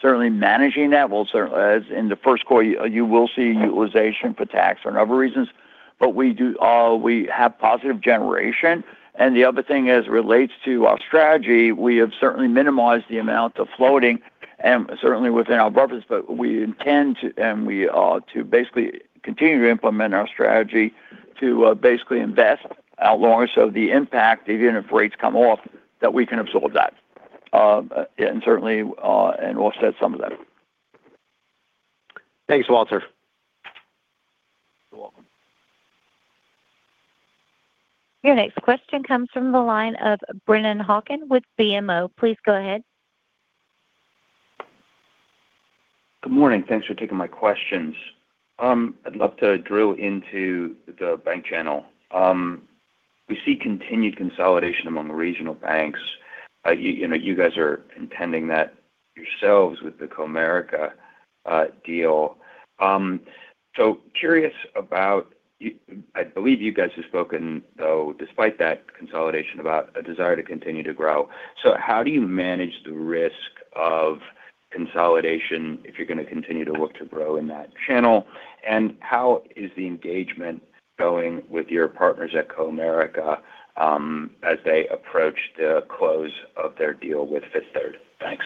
certainly managing that. Well, certainly, as in the first quarter, you will see utilization for tax or other reasons. But we have positive generation. And the other thing, as it relates to our strategy, we have certainly minimized the amount of floating. And certainly within our buffers, but we intend to basically continue to implement our strategy to basically invest out longer so the impact, even if rates come off, that we can absorb that. And certainly, and offset some of that. Thanks, Walter. You're welcome. Your next question comes from the line of Brennan Hawken with BMO. Please go ahead. Good morning. Thanks for taking my questions. I'd love to drill into the bank channel. We see continued consolidation among regional banks. You guys are contenting yourselves with the Comerica deal. So curious about, I believe you guys have spoken, though, despite that consolidation, about a desire to continue to grow. So how do you manage the risk of consolidation if you're going to continue to look to grow in that channel? And how is the engagement going with your partners at Comerica as they approach the close of their deal with Fifth Third? Thanks.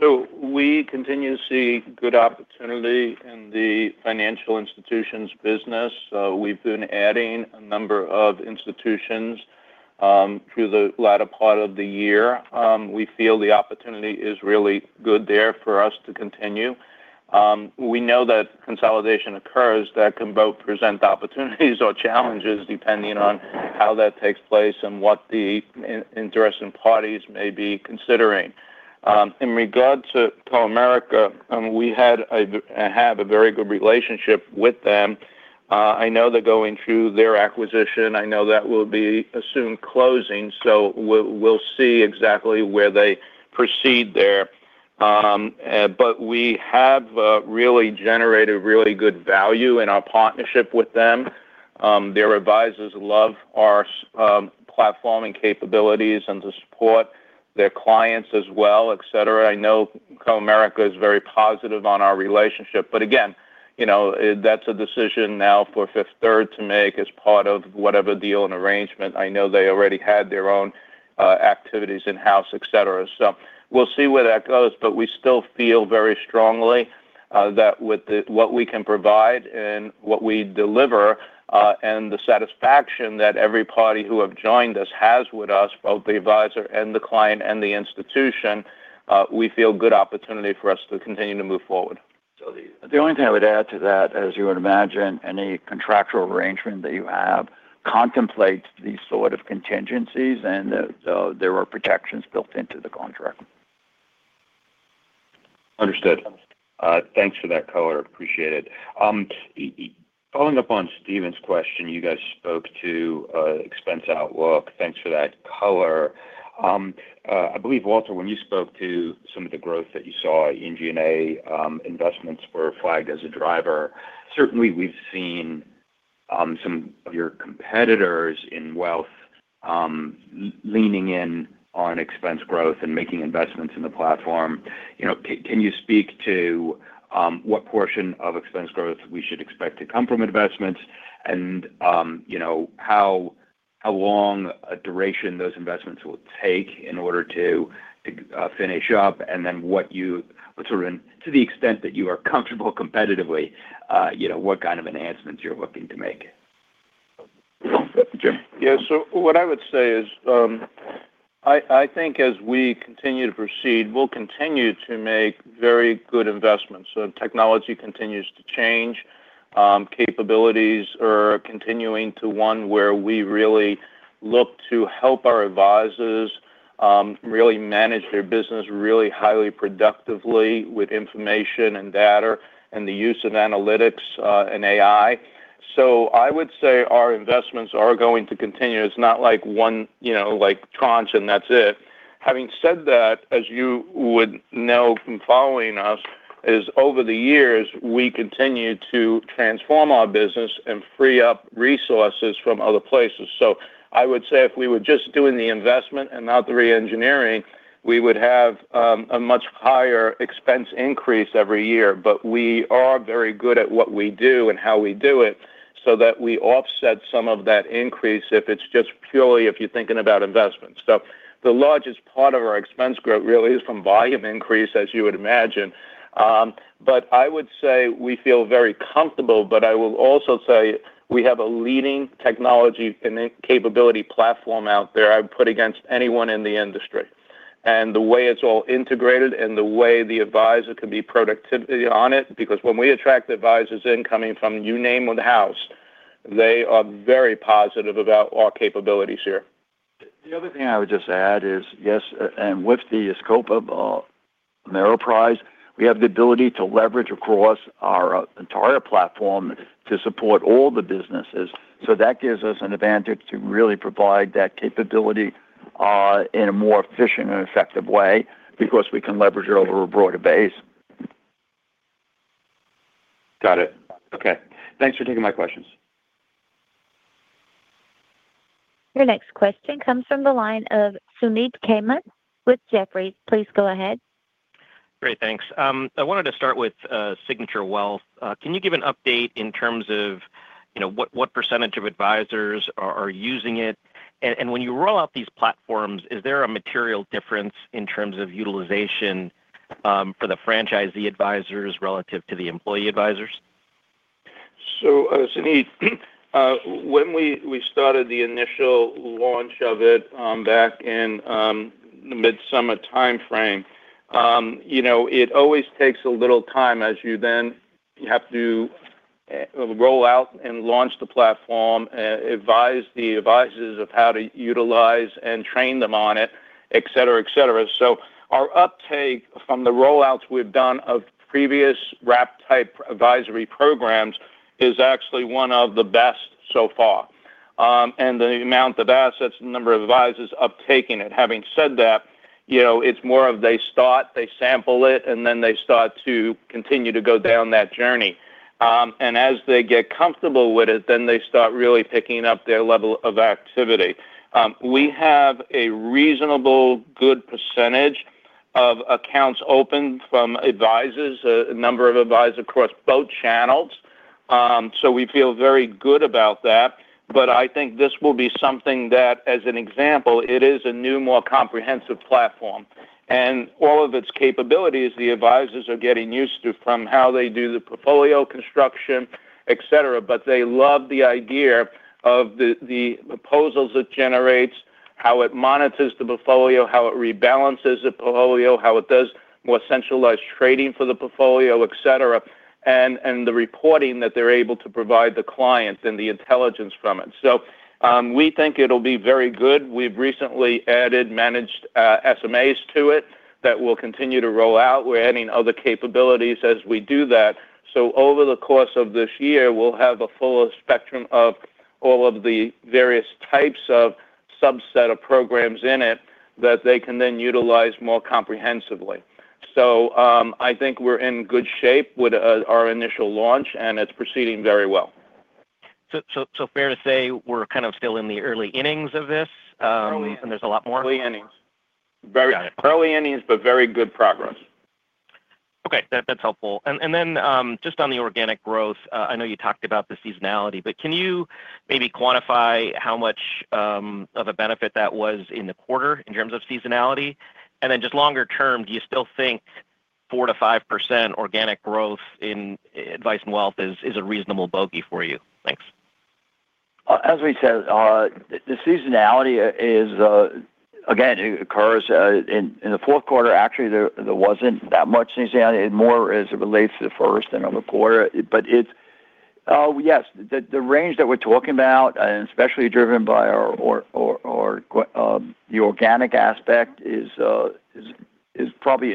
So we continue to see good opportunity in the financial institutions business. We've been adding a number of institutions through the latter part of the year. We feel the opportunity is really good there for us to continue. We know that consolidation occurs that can both present opportunities or challenges depending on how that takes place and what the interesting parties may be considering. In regard to Comerica, we have a very good relationship with them. I know they're going through their acquisition. I know that will be a soon closing. So we'll see exactly where they proceed there. But we have really generated really good value in our partnership with them. Their advisors love our platform and capabilities and the support, their clients as well, etc. I know Comerica is very positive on our relationship. But again, that's a decision now for Fifth Third to make as part of whatever deal and arrangement. I know they already had their own activities in-house, etc. So we'll see where that goes. But we still feel very strongly that with what we can provide and what we deliver and the satisfaction that every party who has joined us has with us, both the advisor and the client and the institution, we feel good opportunity for us to continue to move forward. So the only thing I would add to that, as you would imagine, any contractual arrangement that you have contemplates these sort of contingencies, and there are protections built into the contract. Understood. Thanks for that, color. Appreciate it. Following up on Steven's question, you guys spoke to expense outlook. Thanks for that, color. I believe, Walter, when you spoke to some of the growth that you saw in G&A, investments were flagged as a driver. Certainly, we've seen some of your competitors in wealth leaning in on expense growth and making investments in the platform. Can you speak to what portion of expense growth we should expect to come from investments and how long a duration those investments will take in order to finish up? And then what sort of, to the extent that you are comfortable competitively, what kind of enhancements you're looking to make? Yeah. So what I would say is I think as we continue to proceed, we'll continue to make very good investments. So technology continues to change. Capabilities are continuing to one where we really look to help our advisors really manage their business really highly productively with information and data and the use of analytics and AI. So I would say our investments are going to continue. It's not like one tranche and that's it. Having said that, as you would know from following us, over the years, we continue to transform our business and free up resources from other places. So I would say if we were just doing the investment and not the re-engineering, we would have a much higher expense increase every year. But we are very good at what we do and how we do it so that we offset some of that increase if it's just purely if you're thinking about investments. So the largest part of our expense growth really is from volume increase, as you would imagine. But I would say we feel very comfortable. But I will also say we have a leading technology and capability platform out there, I would put against anyone in the industry. And the way it's all integrated and the way the advisor can be productive on it, because when we attract advisors in coming from you name it, the house, they are very positive about our capabilities here. The other thing I would just add is, yes, and with the scope of Ameriprise, we have the ability to leverage across our entire platform to support all the businesses. So that gives us an advantage to really provide that capability in a more efficient and effective way because we can leverage it over a broader base. Got it. Okay. Thanks for taking my questions. Your next question comes from the line of Suneet Kamath with Jefferies. Please go ahead. Great. Thanks. I wanted to start with Signature Wealth. Can you give an update in terms of what percentage of advisors are using it? And when you roll out these platforms, is there a material difference in terms of utilization for the franchisee advisors relative to the employee advisors? So Suneet, when we started the initial launch of it back in the mid-summer timeframe, it always takes a little time as you then have to roll out and launch the platform, advise the advisors of how to utilize and train them on it, etc., etc. So our uptake from the rollouts we've done of previous wrap-type advisory programs is actually one of the best so far. And the amount of assets, the number of advisors uptaking it. Having said that, it's more of they start, they sample it, and then they start to continue to go down that journey. And as they get comfortable with it, then they start really picking up their level of activity. We have a reasonably good percentage of accounts open from advisors, a number of advisors across both channels. So we feel very good about that. But I think this will be something that, as an example, it is a new, more comprehensive platform. All of its capabilities, the advisors are getting used to from how they do the portfolio construction, etc. But they love the idea of the proposals it generates, how it monitors the portfolio, how it rebalances the portfolio, how it does more centralized trading for the portfolio, etc., and the reporting that they're able to provide the clients and the intelligence from it. So we think it'll be very good. We've recently added managed SMAs to it that will continue to roll out. We're adding other capabilities as we do that. So over the course of this year, we'll have a full spectrum of all of the various types of subset of programs in it that they can then utilize more comprehensively. So I think we're in good shape with our initial launch, and it's proceeding very well. So fair to say we're kind of still in the early innings of this? And there's a lot more? Early innings. Early innings, but very good progress. Okay. That's helpful. And then just on the organic growth, I know you talked about the seasonality, but can you maybe quantify how much of a benefit that was in the quarter in terms of seasonality? And then just longer term, do you still think 4%-5% organic growth in advice and wealth is a reasonable bogey for you? Thanks. As we said, the seasonality is, again, it occurs in the fourth quarter. Actually, there wasn't that much seasonality. More as it relates to the first and fourth quarter. But yes, the range that we're talking about, and especially driven by the organic aspect, is probably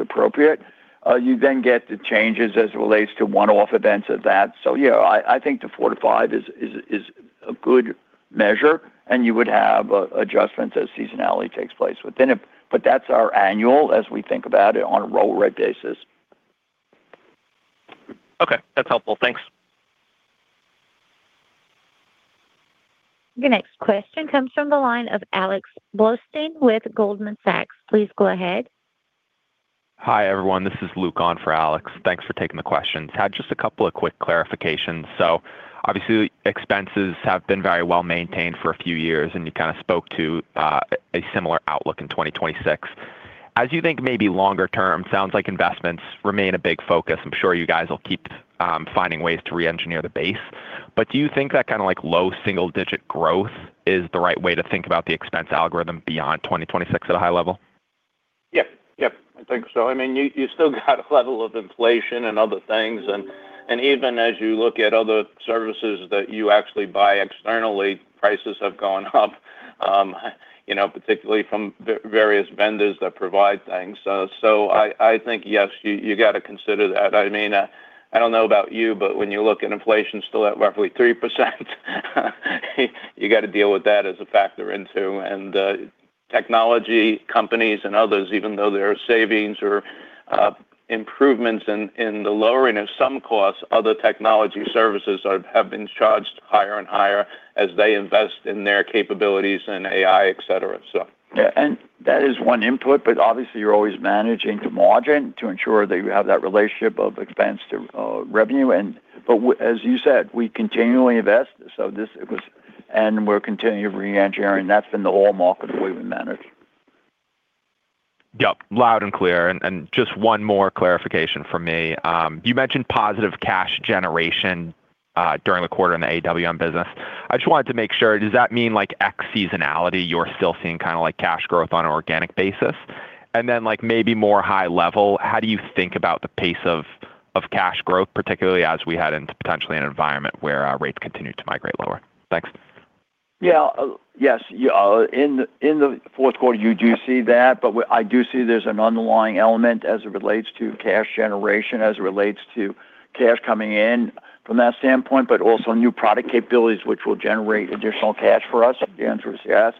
appropriate. You then get the changes as it relates to one-off events of that. So yeah, I think the 4 to 5 is a good measure. And you would have adjustments as seasonality takes place within it. But that's our annual as we think about it on a roll rate basis. Okay. That's helpful. Thanks. Your next question comes from the line of Alex Blostein with Goldman Sachs. Please go ahead. Hi, everyone. This is Luke on for Alex. Thanks for taking the questions. Had just a couple of quick clarifications. So obviously, expenses have been very well maintained for a few years, and you kind of spoke to a similar outlook in 2026. As you think maybe longer term, sounds like investments remain a big focus. I'm sure you guys will keep finding ways to re-engineer the base. But do you think that kind of low single-digit growth is the right way to think about the expense algorithm beyond 2026 at a high level? Yep. Yep. I think so. I mean, you still got a level of inflation and other things. And even as you look at other services that you actually buy externally, prices have gone up, particularly from various vendors that provide things. So I think, yes, you got to consider that. I mean, I don't know about you, but when you look at inflation still at roughly 3%, you got to deal with that as a factor into. Technology companies and others, even though there are savings or improvements in the lowering of some costs, other technology services have been charged higher and higher as they invest in their capabilities and AI, etc. So. Yeah. That is one input. But obviously, you're always managing to margin to ensure that you have that relationship of expense to revenue. But as you said, we continually invest. And we're continually re-engineering. That's been the whole market way we manage. Yep. Loud and clear. Just one more clarification for me. You mentioned positive cash generation during the quarter in the AWM business. I just wanted to make sure. Does that mean like ex seasonality, you're still seeing kind of like cash growth on an organic basis? And then maybe more high level, how do you think about the pace of cash growth, particularly as we head into potentially an environment where rates continue to migrate lower? Thanks. Yeah. Yes. In the fourth quarter, you do see that. But I do see there's an underlying element as it relates to cash generation, as it relates to cash coming in from that standpoint, but also new product capabilities, which will generate additional cash for us. The answer is yes.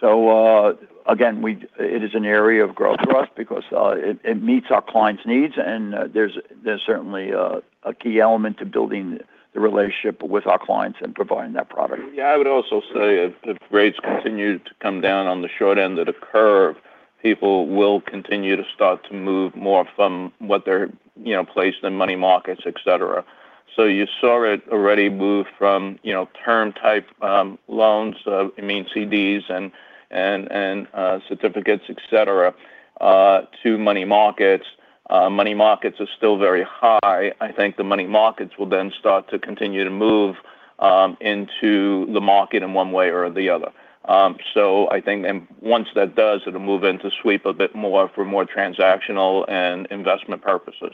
So again, it is an area of growth for us because it meets our clients' needs. And there's certainly a key element to building the relationship with our clients and providing that product. Yeah. I would also say if rates continue to come down on the short end of the curve, people will continue to start to move more from what they're placed in money markets, etc. So you saw it already move from term-type loans, I mean, CDs and certificates, etc., to money markets. Money markets are still very high. I think the money markets will then start to continue to move into the market in one way or the other. So I think once that does, it'll move into sweep a bit more for more transactional and investment purposes.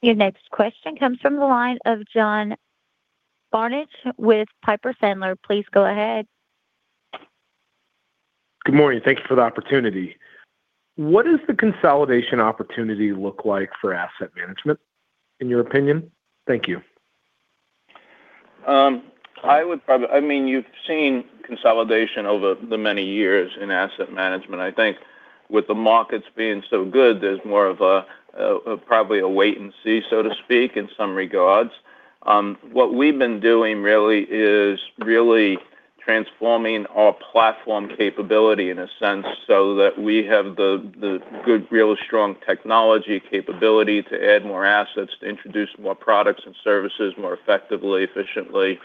Your next question comes from the line of John Barnidge with Piper Sandler. Please go ahead. Good morning. Thank you for the opportunity. What does the consolidation opportunity look like for asset management, in your opinion? Thank you. I mean, you've seen consolidation over the many years in asset management. I think with the markets being so good, there's more of a probably a wait and see, so to speak, in some regards. What we've been doing really is really transforming our platform capability in a sense so that we have the good, real strong technology capability to add more assets, to introduce more products and services more effectively, efficiently,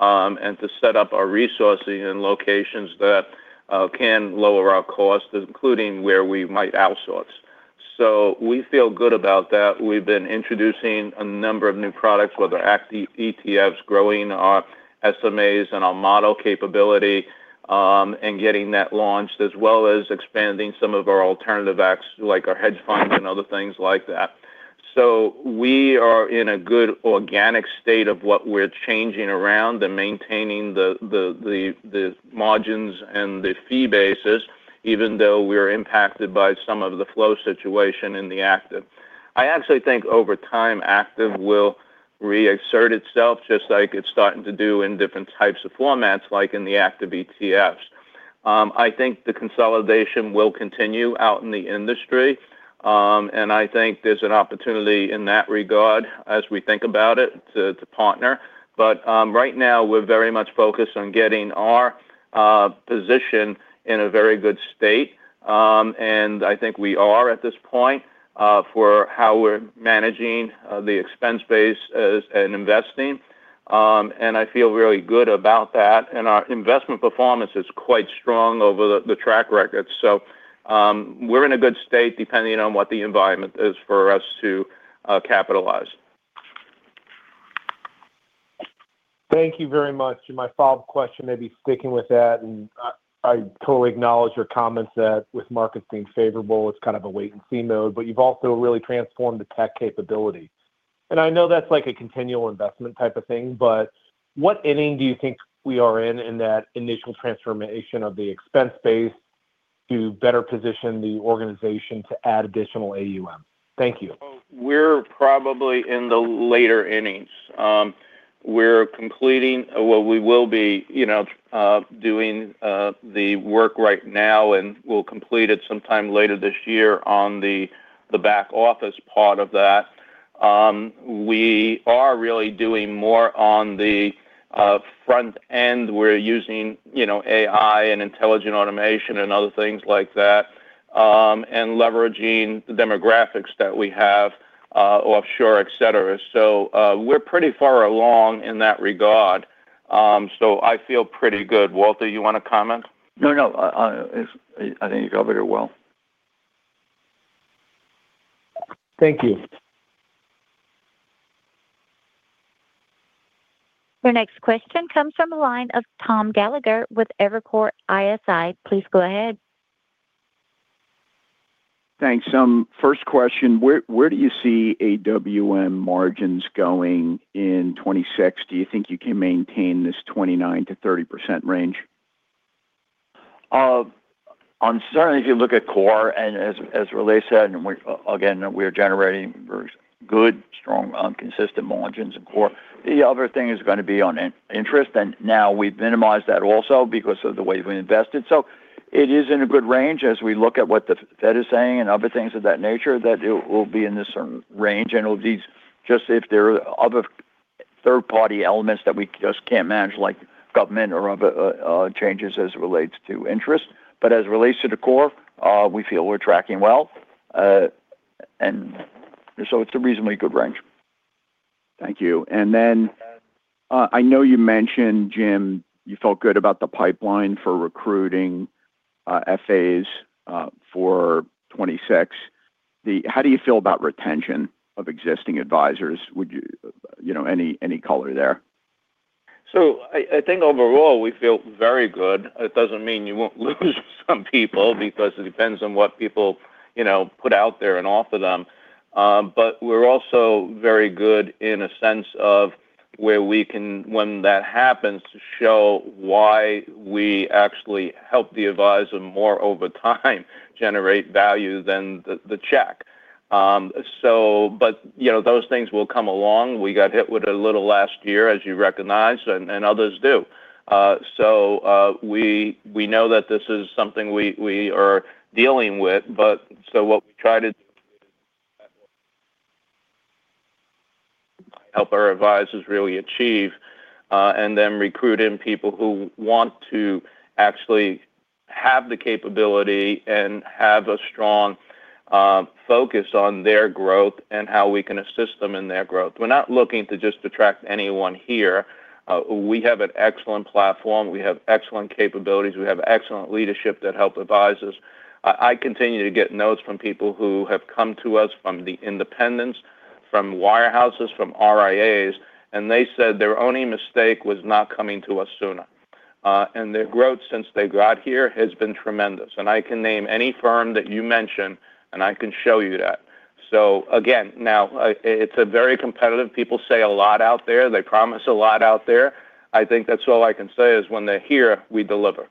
and to set up our resources in locations that can lower our costs, including where we might outsource. So we feel good about that. We've been introducing a number of new products, whether ETFs, growing our SMAs and our model capability and getting that launched, as well as expanding some of our alternative assets, like our hedge funds and other things like that. So we are in a good organic state of what we're changing around and maintaining the margins and the fee basis, even though we're impacted by some of the flow situation in the active. I actually think over time, active will reassert itself just like it's starting to do in different types of formats, like in the active ETFs. I think the consolidation will continue out in the industry. I think there's an opportunity in that regard as we think about it to partner. But right now, we're very much focused on getting our position in a very good state. I think we are at this point for how we're managing the expense base and investing. I feel really good about that. Our investment performance is quite strong over the track record. So we're in a good state depending on what the environment is for us to capitalize. Thank you very much. My follow-up question may be sticking with that. I totally acknowledge your comments that with markets being favorable, it's kind of a wait and see mode. But you've also really transformed the tech capability. And I know that's like a continual investment type of thing. But what inning do you think we are in in that initial transformation of the expense base to better position the organization to add additional AUM? Thank you. We're probably in the later innings. We're completing what we will be doing the work right now, and we'll complete it sometime later this year on the back office part of that. We are really doing more on the front end. We're using AI and intelligent automation and other things like that and leveraging the demographics that we have offshore, etc. So we're pretty far along in that regard. So I feel pretty good. Walter, you want to comment? No, no. I think you covered it well. Thank you. Your next question comes from the line of Tom Gallagher with Evercore ISI. Please go ahead. Thanks. First question. Where do you see AWM margins going in 2026? Do you think you can maintain this 29%-30% range? On certainty, if you look at core and as elease said, again, we're generating good, strong, consistent margins in core. The other thing is going to be on interest. And now we've minimized that also because of the way we invested. So it is in a good range as we look at what the Fed is saying and other things of that nature that it will be in this range. And it will be just if there are other third-party elements that we just can't manage, like government or other changes as it relates to interest. But as it relates to the core, we feel we're tracking well. And so it's a reasonably good range. Thank you. I know you mentioned, Jim, you felt good about the pipeline for recruiting FAs for 2026. How do you feel about retention of existing advisors? Any color there? I think overall, we feel very good. It doesn't mean you won't lose some people because it depends on what people put out there and offer them. But we're also very good in a sense of where we can, when that happens, show why we actually help the advisor more over time generate value than the check. But those things will come along. We got hit with a little last year, as you recognize, and others do. We know that this is something we are dealing with. But so what we try to do is help our advisors really achieve and then recruit in people who want to actually have the capability and have a strong focus on their growth and how we can assist them in their growth. We're not looking to just attract anyone here. We have an excellent platform. We have excellent capabilities. We have excellent leadership that help advisors. I continue to get notes from people who have come to us from the independents, from wirehouses, from RIAs. And they said their only mistake was not coming to us sooner. And their growth since they got here has been tremendous. And I can name any firm that you mention, and I can show you that. So again, now it's a very competitive. People say a lot out there. They promise a lot out there. I think that's all I can say is when they're here, we deliver.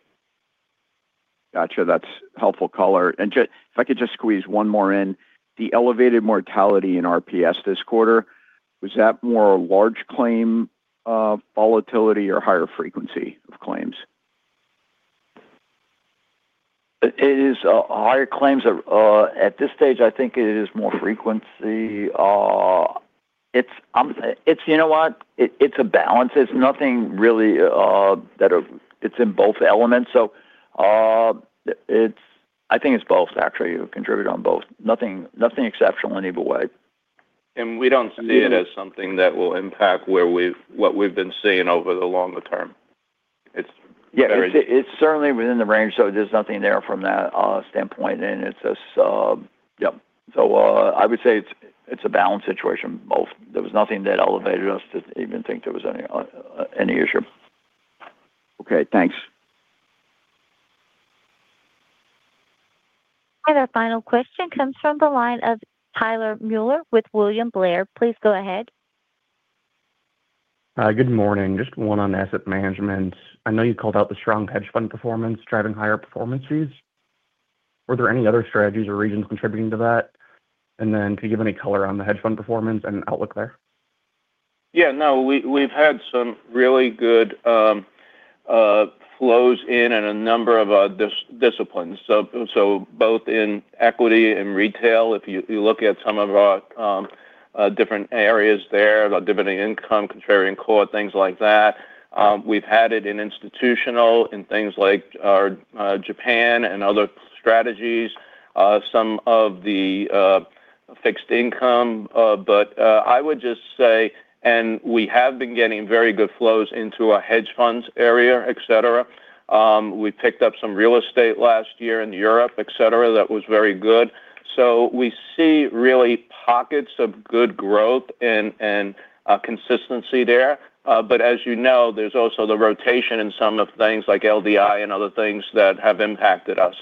Gotcha. That's helpful color. And if I could just squeeze one more in, the elevated mortality in RPS this quarter, was that more large claim volatility or higher frequency of claims? It is higher claims. At this stage, I think it is more frequency. You know what? It's a balance. It's nothing really that it's in both elements. So I think it's both, actually. You contribute on both. Nothing exceptional in either way. And we don't see it as something that will impact what we've been seeing over the longer term. It's very. Yeah. It's certainly within the range. So there's nothing there from that standpoint. And it's a sub. Yep. So I would say it's a balanced situation. There was nothing that elevated us to even think there was any issue. Okay. Thanks. And our final question comes from the line of Tyler Mulier with William Blair. Please go ahead. Good morning. Just one on asset management. I know you called out the strong hedge fund performance driving higher performances. Were there any other strategies or regions contributing to that? And then could you give any color on the hedge fund performance and outlook there? Yeah. No, we've had some really good flows in a number of disciplines. So both in equity and retail, if you look at some of our different areas there, Dividend Income, Contrarian Core, things like that. We've had it in institutional and things like Japan and other strategies, some of the fixed income. But I would just say, and we have been getting very good flows into our hedge funds area, etc. We picked up some real estate last year in Europe, etc., that was very good. So we see really pockets of good growth and consistency there. But as you know, there's also the rotation in some of the things like LDI and other things that have impacted us.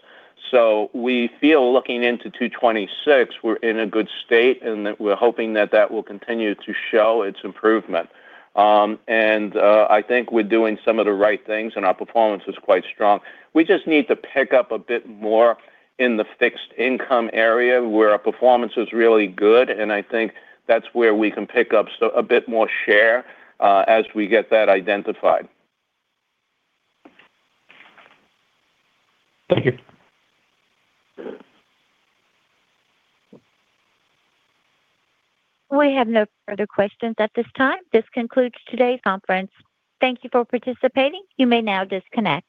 So we feel looking into 2026, we're in a good state, and we're hoping that that will continue to show its improvement. And I think we're doing some of the right things, and our performance is quite strong. We just need to pick up a bit more in the fixed income area where our performance is really good. And I think that's where we can pick up a bit more share as we get that identified. Thank you. We have no further questions at this time. This concludes today's conference. Thank you for participating. You may now disconnect.